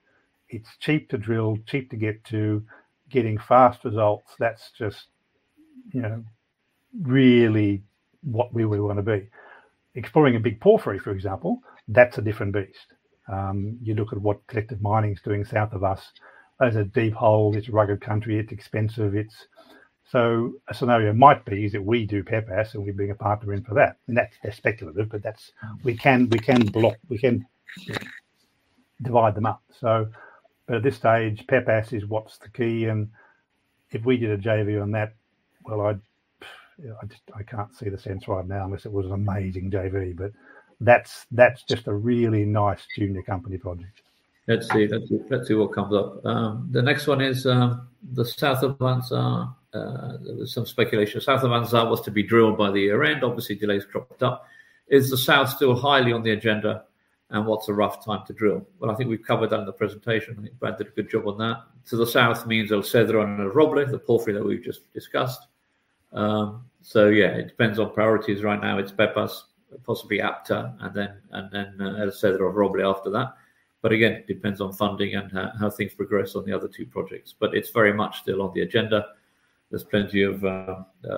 It's cheap to drill, cheap to get to, getting fast results. That's you know, really what we really want to be. Exploring a big porphyry, for example, that's a different beast. You look at what Collective Mining's doing south of us. That's a deep hole. It's rugged country. It's expensive. A scenario might be is that we do Pepas and we bring a partner in for that. That's speculative but we can block, we can divide them up. At this stage, Pepas is what's the key. If we did a JV on that, well, I just can't see the sense right now unless it was an amazing JV. That's just a really nice junior company project. Let's see what comes up. The next one is the south of Anzá. There was some speculation. South of Anzá was to be drilled by the year-end. Obviously, delays cropped up. Is the south still highly on the agenda? What's a rough time to drill? Well, I think we've covered that in the presentation. I think Brad did a good job on that. The south means El Cedrón and El Roble, the porphyry that we've just discussed. So yeah, it depends on priorities. Right now it's Pepas, possibly APTA and then El Cedrón or El Roble after that. Again, depends on funding and how things progress on the other two projects. It's very much still on the agenda. There's plenty of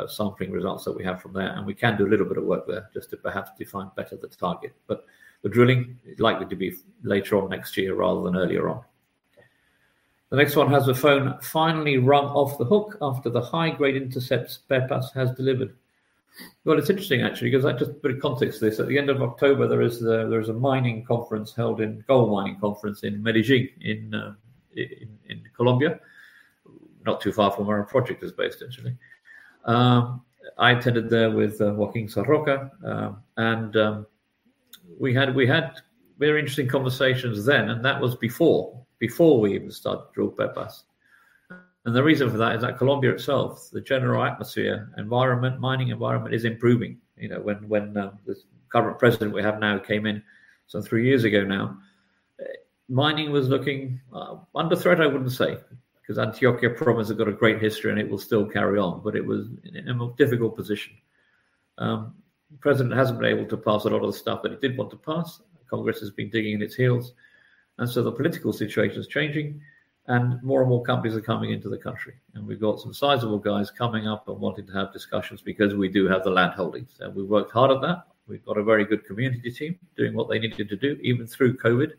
sampling results that we have from there and we can do a little bit of work there just to perhaps define better the target. The drilling is likely to be later on next year rather than earlier on. The next one. Has the phone finally rung off the hook after the high-grade intercepts Pepas has delivered? Well, it's interesting actually, because I'll just put in context this. At the end of October, there is a gold mining conference in Medellín in Colombia, not too far from where our project is based, actually. I attended there with Joaquín Sarroca and we had very interesting conversations then and that was before we even started to drill Pepas. The reason for that is that Colombia itself, the general atmosphere, environment, mining environment is improving. You know, when this current president we have now came in sort of three years ago now, mining was looking under threat, I wouldn't say, because Antioquia province has got a great history and it will still carry on but it was in a more difficult position. President hasn't been able to pass a lot of the stuff that he did want to pass. Congress has been digging in its heels. The political situation is changing and more and more companies are coming into the country. We've got some sizable guys coming up and wanting to have discussions because we do have the landholdings. We've worked hard at that. We've got a very good community team doing what they needed to do, even through COVID.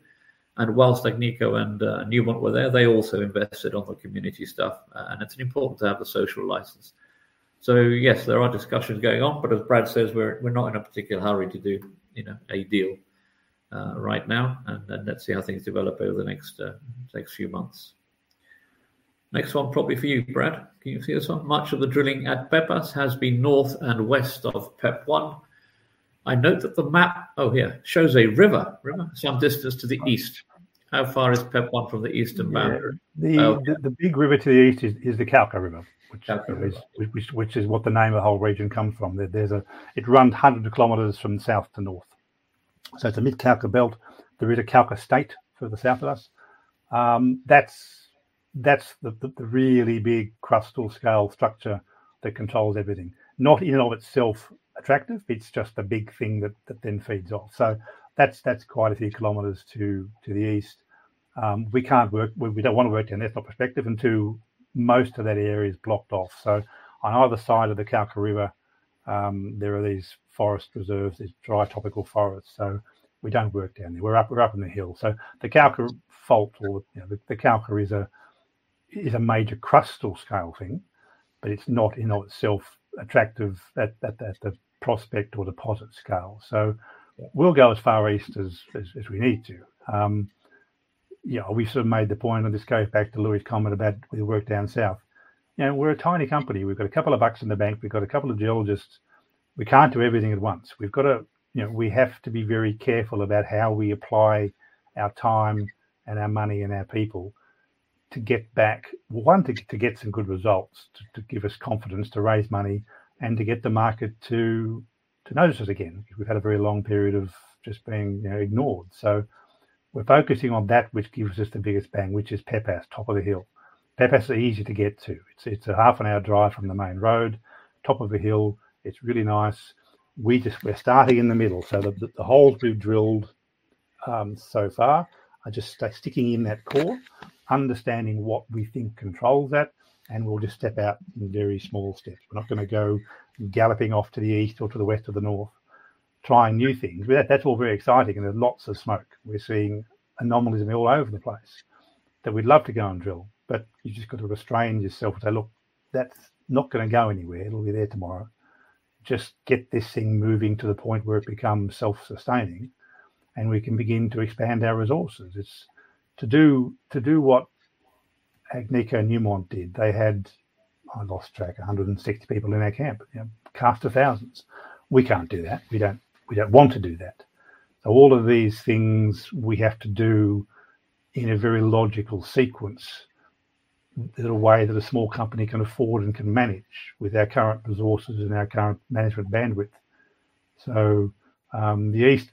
While Agnico and Newmont were there, they also invested on the community stuff. It's important to have the social license. Yes, there are discussions going on but as Brad says, we're not in a particular hurry to do, you know, a deal right now. Let's see how things develop over the next few months. Next one probably for you, Brad. Can you see this one? Much of the drilling at Pepas has been north and west of PEP-1. I note that the map. Oh, here, shows a river some distance to the east. How far is PEP-1 from the eastern boundary? Yeah. The big river to the east is the Cauca River, which is what the name of the whole region comes from. It runs 100 km from south to north. It's a Mid-Cauca Belt. There is a Cauca State further south of us. That's the really big crustal scale structure that controls everything, not in and of itself attractive. It's just a big thing that then feeds off. That's quite a few kilometers to the east. We don't wanna work down there. It's not prospective until most of that area is blocked off. On either side of the Cauca River, there are these forest reserves, these dry tropical forests. We don't work down there. We're up in the hills. The Cauca fault is a major crustal scale thing but it's not in and of itself attractive at a prospect or deposit scale. We'll go as far east as we need to. You know, we sort of made the point and this goes back to Louis' comment about the work down south. You know, we're a tiny company. We've got a couple of bucks in the bank. We've got a couple of geologists. We can't do everything at once. We've gotta. You know, we have to be very careful about how we apply our time and our money and our people to get back. One, to get some good results, to give us confidence to raise money and to get the market to notice us again. We've had a very long period of just being, you know, ignored. We're focusing on that which gives us the biggest bang, which is Pepas, top of the hill. Pepas is easy to get to. It's a half an hour drive from the main road, top of a hill. It's really nice. We're starting in the middle. The holes we've drilled so far are just sticking in that core, understanding what we think controls that and we'll just step out in very small steps. We're not gonna go galloping off to the east or to the west or the north trying new things. That's all very exciting and there's lots of smoke. We're seeing anomalies all over the place that we'd love to go and drill but you've just got to restrain yourself and say, "Look, that's not gonna go anywhere. It'll be there tomorrow. Just get this thing moving to the point where it becomes self-sustaining and we can begin to expand our resources." It's to do what Agnico and Newmont did, they had, I lost track, 160 people in their camp. You know, cast of thousands. We can't do that. We don't want to do that. All of these things we have to do in a very logical sequence in a way that a small company can afford and can manage with our current resources and our current management bandwidth. Yeah, the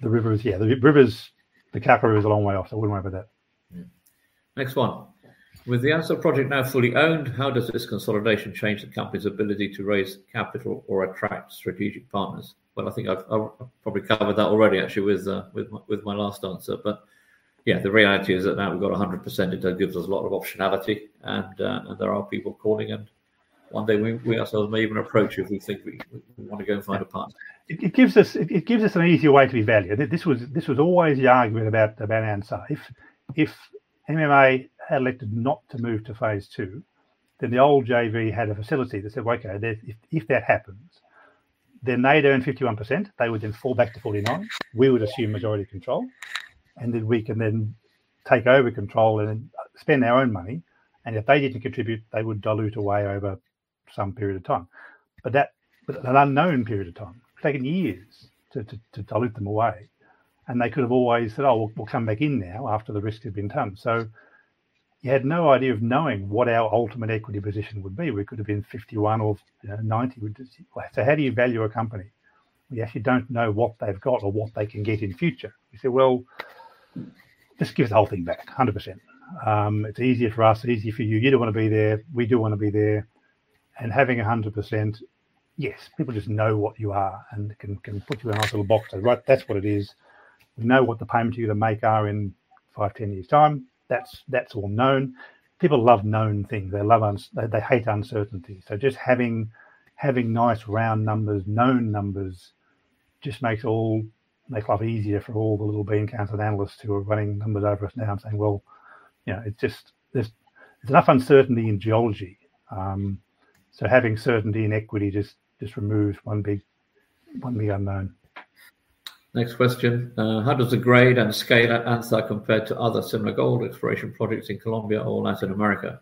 river, the Cauca River, is a long way off, so we won't worry about that. Yeah. Next one. With the Anzá project now fully owned, how does this consolidation change the company's ability to raise capital or attract strategic partners? Well, I think I've probably covered that already actually with my last answer. Yeah, the reality is that now we've got 100% interest. That gives us a lot of optionality and there are people calling and one day we also may even approach you if we think we want to go and find a partner. It gives us an easier way to be valued. This was always the argument about Anzá. If MMA had elected not to move to phase two, then the old JV had a facility that said, "Okay, if that happens, then they'd own 51%. They would then fall back to 49%. We would assume majority control and then we can take over control and spend our own money. If they didn't contribute, they would dilute away over some period of time." That was an unknown period of time. It's taken years to dilute them away. They could have always said, "Oh, we'll come back in now after the risk has been done." You had no idea of knowing what our ultimate equity position would be. We could have been 51 or, you know, 90. How do you value a company if you don't know what they've got or what they can get in future? You say, "Well, just give the whole thing back 100%. It's easier for us, easier for you. You don't wanna be there. We do wanna be there." Having 100%, yes, people just know what you are and can put you in a nice little box and write that's what it is. We know what the payment to you to make are in five, 10 years' time. That's all known. People love known things. They hate uncertainty. Just having nice round numbers, known numbers just makes it all a lot easier for all the little bean counters and analysts who are running numbers over us now and saying, "Well, you know, it's just. There's enough uncertainty in geology." Having certainty in equity just removes one big unknown. Next question. How does the grade and scale at Anzá compare to other similar gold exploration projects in Colombia or Latin America?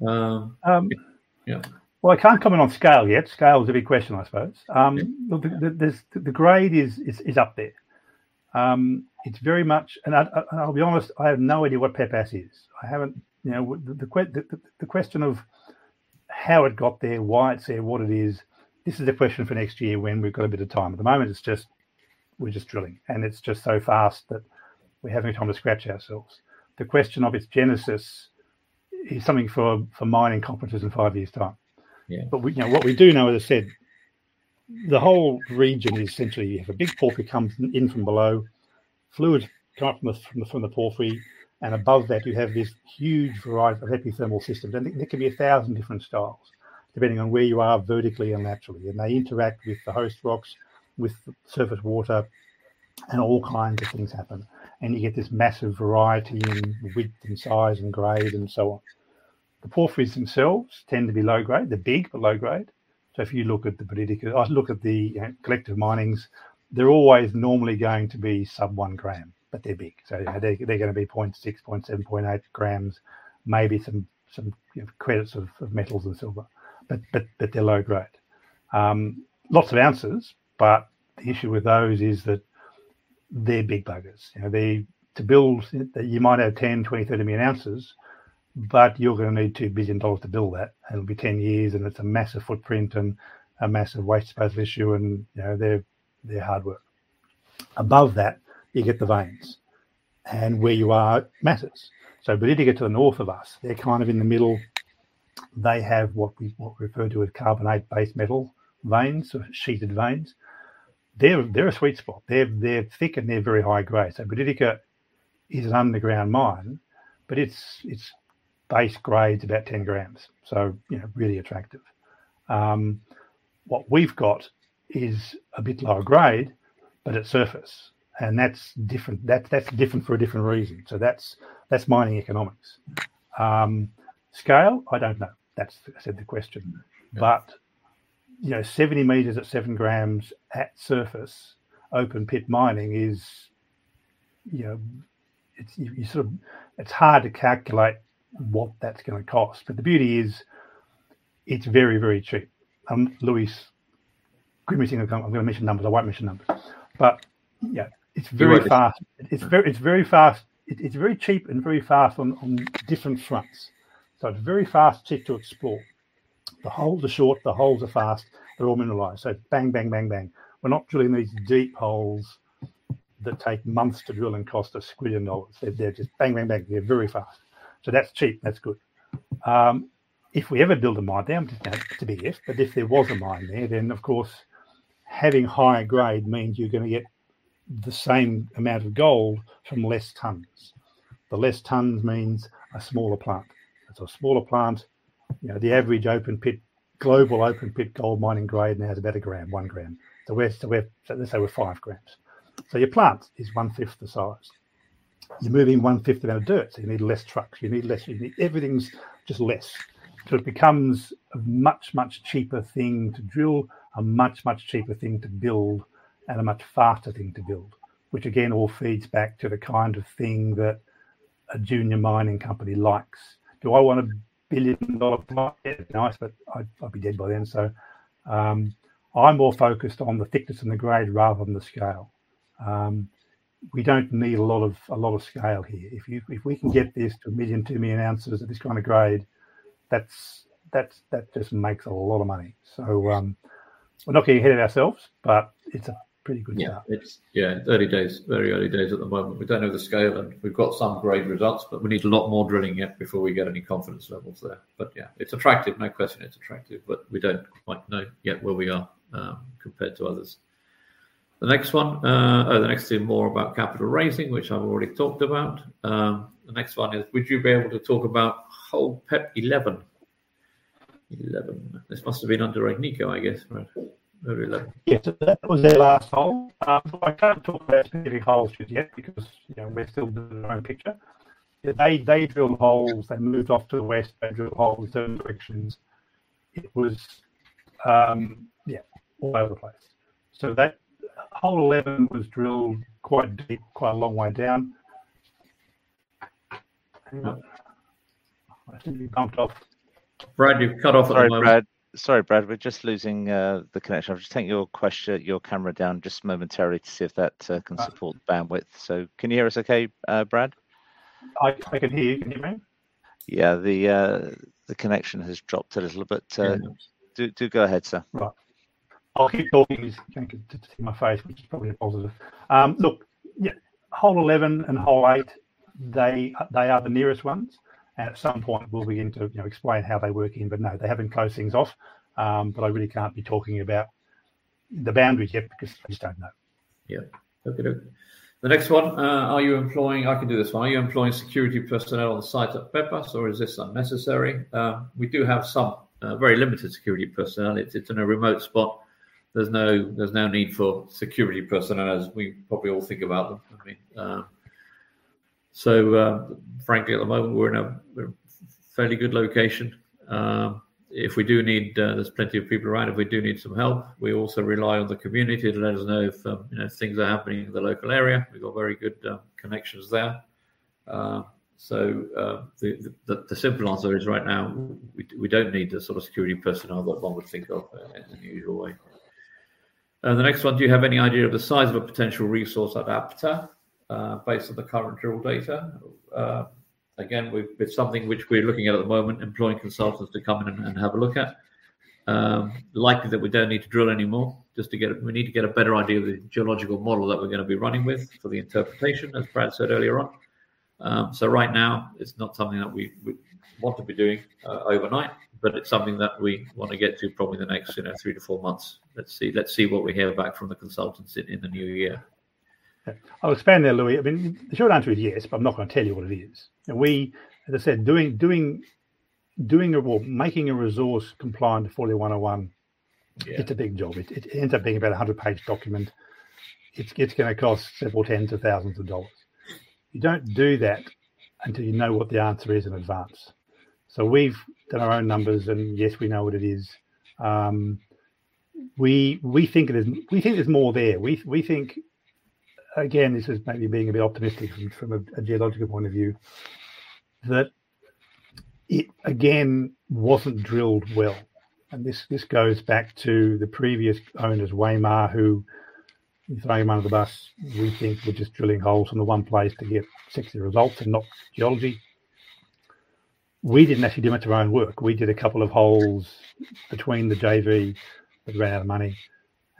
Well, I can't comment on scale yet. Scale is a big question, I suppose. The grade is up there. I'll be honest, I have no idea what Pepas is. You know, the question of how it got there, why it's there, what it is. This is a question for next year when we've got a bit of time. At the moment, it's just, we're just drilling. It's just so fast that we haven't any time to scratch ourselves. The question of its genesis is something for mining conferences in five years' time. You know, what we do know, as I said, the whole region is essentially you have a big porphyry comes in from below, fluid coming up from the porphyry and above that you have this huge variety of epithermal systems. There can be a thousand different styles depending on where you are vertically and laterally. They interact with the host rocks, with surface water and all kinds of things happen. You get this massive variety in width and size and grade and so on. The porphyries themselves tend to be low grade. They're big but low grade. If you look at the Buriticá, I look at Collective Mining, they're always normally going to be sub 1 gram but they're big. They're gonna be 0.6, 0.7, 0.8 grams, maybe some credits of metals and silver. They're low grade. Lots of ounces but the issue with those is that they're big buggers. You know, to build, you might have 10, 20, 30 million ounces but you're gonna need $2 billion to build that. It'll be 10 years and it's a massive footprint and a massive waste space issue and, you know, they're hard work. Above that, you get the veins. Where you are matters. Buriticá to the north of us, they're kind of in the middle. They have what we refer to as carbonate base-metal veins, so sheeted veins. They're a sweet spot. They're thick and they're very high grade. Buriticá is an underground mine but it's base grade's about 10 grams. You know, really attractive. What we've got is a bit lower grade but it's surface. That's different. That's different for a different reason. That's mining economics. Scale, I don't know. That's, as I said, the question. You know, 70 meters at 7 grams at surface, open pit mining is, it's hard to calculate what that's gonna cost. The beauty is it's very, very cheap. Louis, good meeting. I've come, I'm gonna mention numbers. I won't mention numbers. Yeah, it's very fast. It's very fast. It's very cheap and very fast on different fronts. It's very fast, cheap to explore. The holes are short, the holes are fast. They're all mineralized. Bang, bang, bang. We're not drilling these deep holes that take months to drill and cost a squillion dollars. They're just bang, bang. They're very fast. That's cheap. That's good. If we ever build a mine there, I'm just saying it's a big if but if there was a mine there, then of course having higher grade means you're gonna get the same amount of gold from less tons. The less tons means a smaller plant. A smaller plant, you know, the average open pit, global open pit gold mining grade now is about 1 gram. So we're, let's say we're 5 grams. So your plant is one fifth the size. You're moving one fifth amount of dirt, so you need less trucks, you need less. Everything's just less. So it becomes a much, much cheaper thing to drill, a much, much cheaper thing to build and a much faster thing to build. Which again, all feeds back to the kind of thing that a junior mining company likes. Do I want a billion-dollar plant? Yeah, nice but I'd be dead by then. I'm more focused on the thickness and the grade rather than the scale. We don't need a lot of scale here. If we can get this to 1 million-2 million ounces at this kind of grade, that just makes a lot of money. We're not getting ahead of ourselves but it's a pretty good start. Yeah. It's early days. Very early days at the moment. We don't know the scale and we've got some great results but we need a lot more drilling yet before we get any confidence levels there. Yeah, it's attractive. No question it's attractive but we don't quite know yet where we are compared to others. The next one or the next two more about capital raising, which I've already talked about. The next one is, would you be able to talk about hole PEP 11? This must have been under Agnico, I guess, right? Hole 11. Yes. That was their last hole. I can't talk about specific holes just yet because, you know, we're still building our own picture. They drilled holes and moved off to the west. They drilled holes in certain directions. It was all over the place. That hole 11 was drilled quite deep, quite a long way down. Hang on. I think we bumped off. Brad, we've cut off at the moment. Sorry, Brad. We're just losing the connection. I'll just take your camera down just momentarily to see if that can support the bandwidth. Can you hear us okay, Brad? I can hear you. Can you hear me? Yeah. The connection has dropped a little bit. Do go ahead, sir. Right. I'll keep talking so you can continue to see my face, which is probably a positive. Look, yeah, hole 11 and hole 8, they are the nearest ones. At some point we'll begin to, you know, explain how they work in. No, they haven't closed things off. I really can't be talking about the boundaries yet because we just don't know. Yeah. Okie doke. The next one. Are you employing security personnel on site at Pepas or is this unnecessary? We do have some very limited security personnel. It's in a remote spot. There's no need for security personnel as we probably all think about them. I mean, frankly, at the moment we're in a fairly good location. If we do need, there's plenty of people around. If we do need some help, we also rely on the community to let us know if you know, things are happening in the local area. We've got very good connections there. The simple answer is right now we don't need the sort of security personnel that one would think of in the usual way. The next one. Do you have any idea of the size of a potential resource at APTA, based on the current drill data? Again, it's something which we're looking at at the moment, employing consultants to come in and have a look at. Likely that we don't need to drill anymore just to get a better idea of the geological model that we're gonna be running with for the interpretation, as Brad said earlier on. Right now it's not something that we want to be doing overnight but it's something that we want to get to probably the next three to four months. Let's see what we hear back from the consultants in the new year. I'll expand there, Louis. I mean, the short answer is yes but I'm not gonna tell you what it is. We, as I said, well, making a resource compliant to NI 43-101. It's a big job. It ends up being about a 100-page document. It's gonna cost several tens of thousands of dollars. You don't do that until you know what the answer is in advance. We've done our own numbers and yes, we know what it is. We think there's more there. We think, again, this is maybe being a bit optimistic from a geological point of view. That it, again, wasn't drilled well and this goes back to the previous owners, Waymar, who throwing them under the bus, we think were just drilling holes in the one place to get sexy results and not geology. We didn't actually do much of our own work. We did a couple of holes between the JV but ran outta money.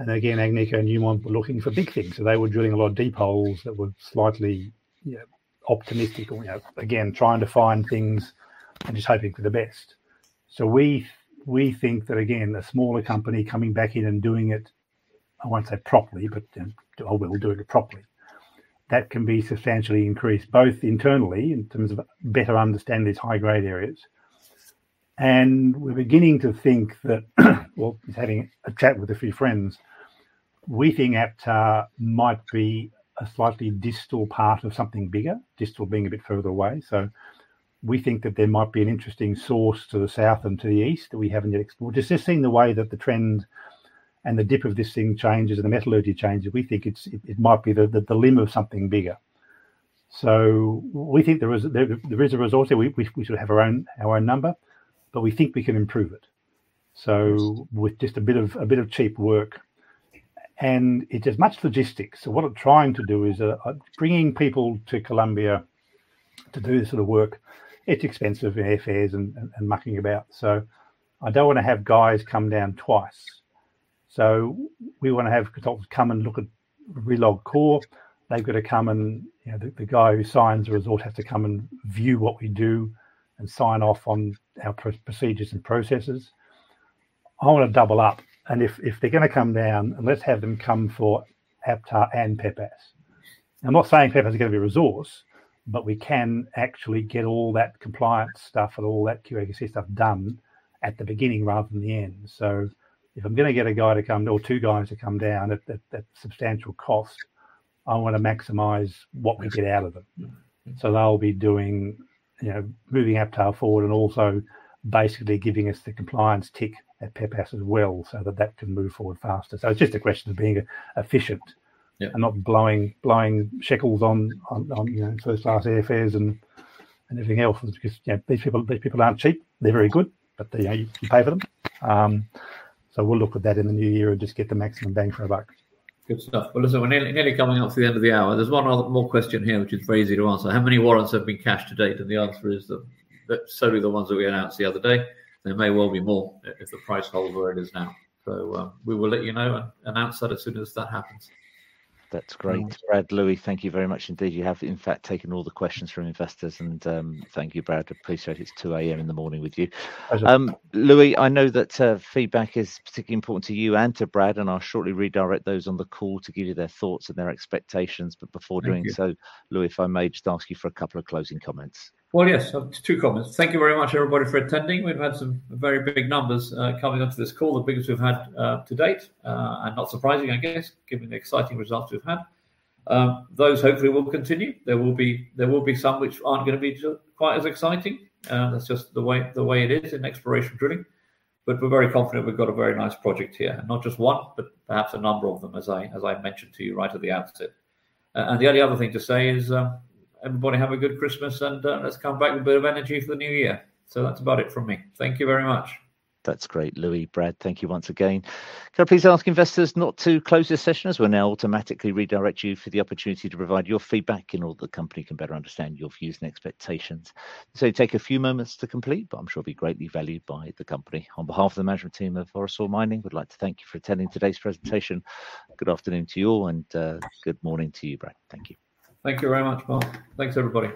Again, Agnico and Newmont were looking for big things. They were drilling a lot of deep holes that were slightly, you know, optimistic and, you know, again, trying to find things and just hoping for the best. We think that, again, a smaller company coming back in and doing it, I won't say properly but then oh, we'll be doing it properly. That can be substantially increased both internally in terms of better understanding these high-grade areas. We're beginning to think that, well, having a chat with a few friends, we think APTA might be a slightly distal part of something bigger. Distal being a bit further away. We think that there might be an interesting source to the south and to the east that we haven't yet explored. Just seeing the way that the trend and the dip of this thing changes and the metallurgy changes. We think it might be the limb of something bigger. We think there is a resource there. We sort of have our own number but we think we can improve it. With just a bit of cheap work and it is much logistics. What I'm trying to do is bringing people to Colombia to do this sort of work. It's expensive, the airfares and mucking about. I don't wanna have guys come down twice. We wanna have consultants come and look at re-log core. They've gotta come and the guy who signs the report has to come and view what we do and sign off on our procedures and processes. I wanna double up and if they're gonna come down, let's have them come for APTA and Pepas. I'm not saying Pepas is gonna be a resource but we can actually get all that compliance stuff and all that QA QC stuff done at the beginning rather than the end. If I'm gonna get a guy to come or two guys to come down at that substantial cost, I wanna maximize what we get out of them. They'll be doing, you know, moving APTA forward and also basically giving us the compliance tick at Pepas as well, so that that can move forward faster. It's just a question of being efficient. Not blowing shekels on you know first class airfares and everything else. Because you know these people aren't cheap. They're very good but you know you pay for them. We'll look at that in the new year and just get the maximum bang for our buck. Good stuff. Well, listen, we're nearly coming up to the end of the hour. There's one other more question here, which is very easy to answer. How many warrants have been cashed to date? The answer is that solely the ones that we announced the other day. There may well be more if the price holds where it is now. We will let you know and announce that as soon as that happens. That's great. Brad, Louis, thank you very much indeed. You have in fact taken all the questions from investors. Thank you Brad. Appreciate it's 2:00 A.M. in the morning with you. Pleasure. Louis, I know that feedback is particularly important to you and to Brad and I'll shortly redirect those on the call to give you their thoughts and their expectations. Before doing so Louis, if I may just ask you for a couple of closing comments. Well, yes. Two comments. Thank you very much everybody for attending. We've had some very big numbers coming onto this call. The biggest we've had to date. Not surprising, I guess, given the exciting results we've had. Those hopefully will continue. There will be some which aren't gonna be quite as exciting. That's just the way it is in exploration drilling. We're very confident we've got a very nice project here. Not just one but perhaps a number of them as I mentioned to you right at the outset. The only other thing to say is, everybody have a good Christmas and, let's come back with a bit of energy for the new year. That's about it from me. Thank you very much. That's great, Louis. Brad, thank you once again. Can I please ask investors not to close this session as we'll now automatically redirect you for the opportunity to provide your feedback in order the company can better understand your views and expectations. Take a few moments to complete but I'm sure it'll be greatly valued by the company. On behalf of the management team of Orosur Mining, we'd like to thank you for attending today's presentation. Good afternoon to you all and good morning to you, Brad. Thank you. Thank you very much, Mark. Thanks everybody.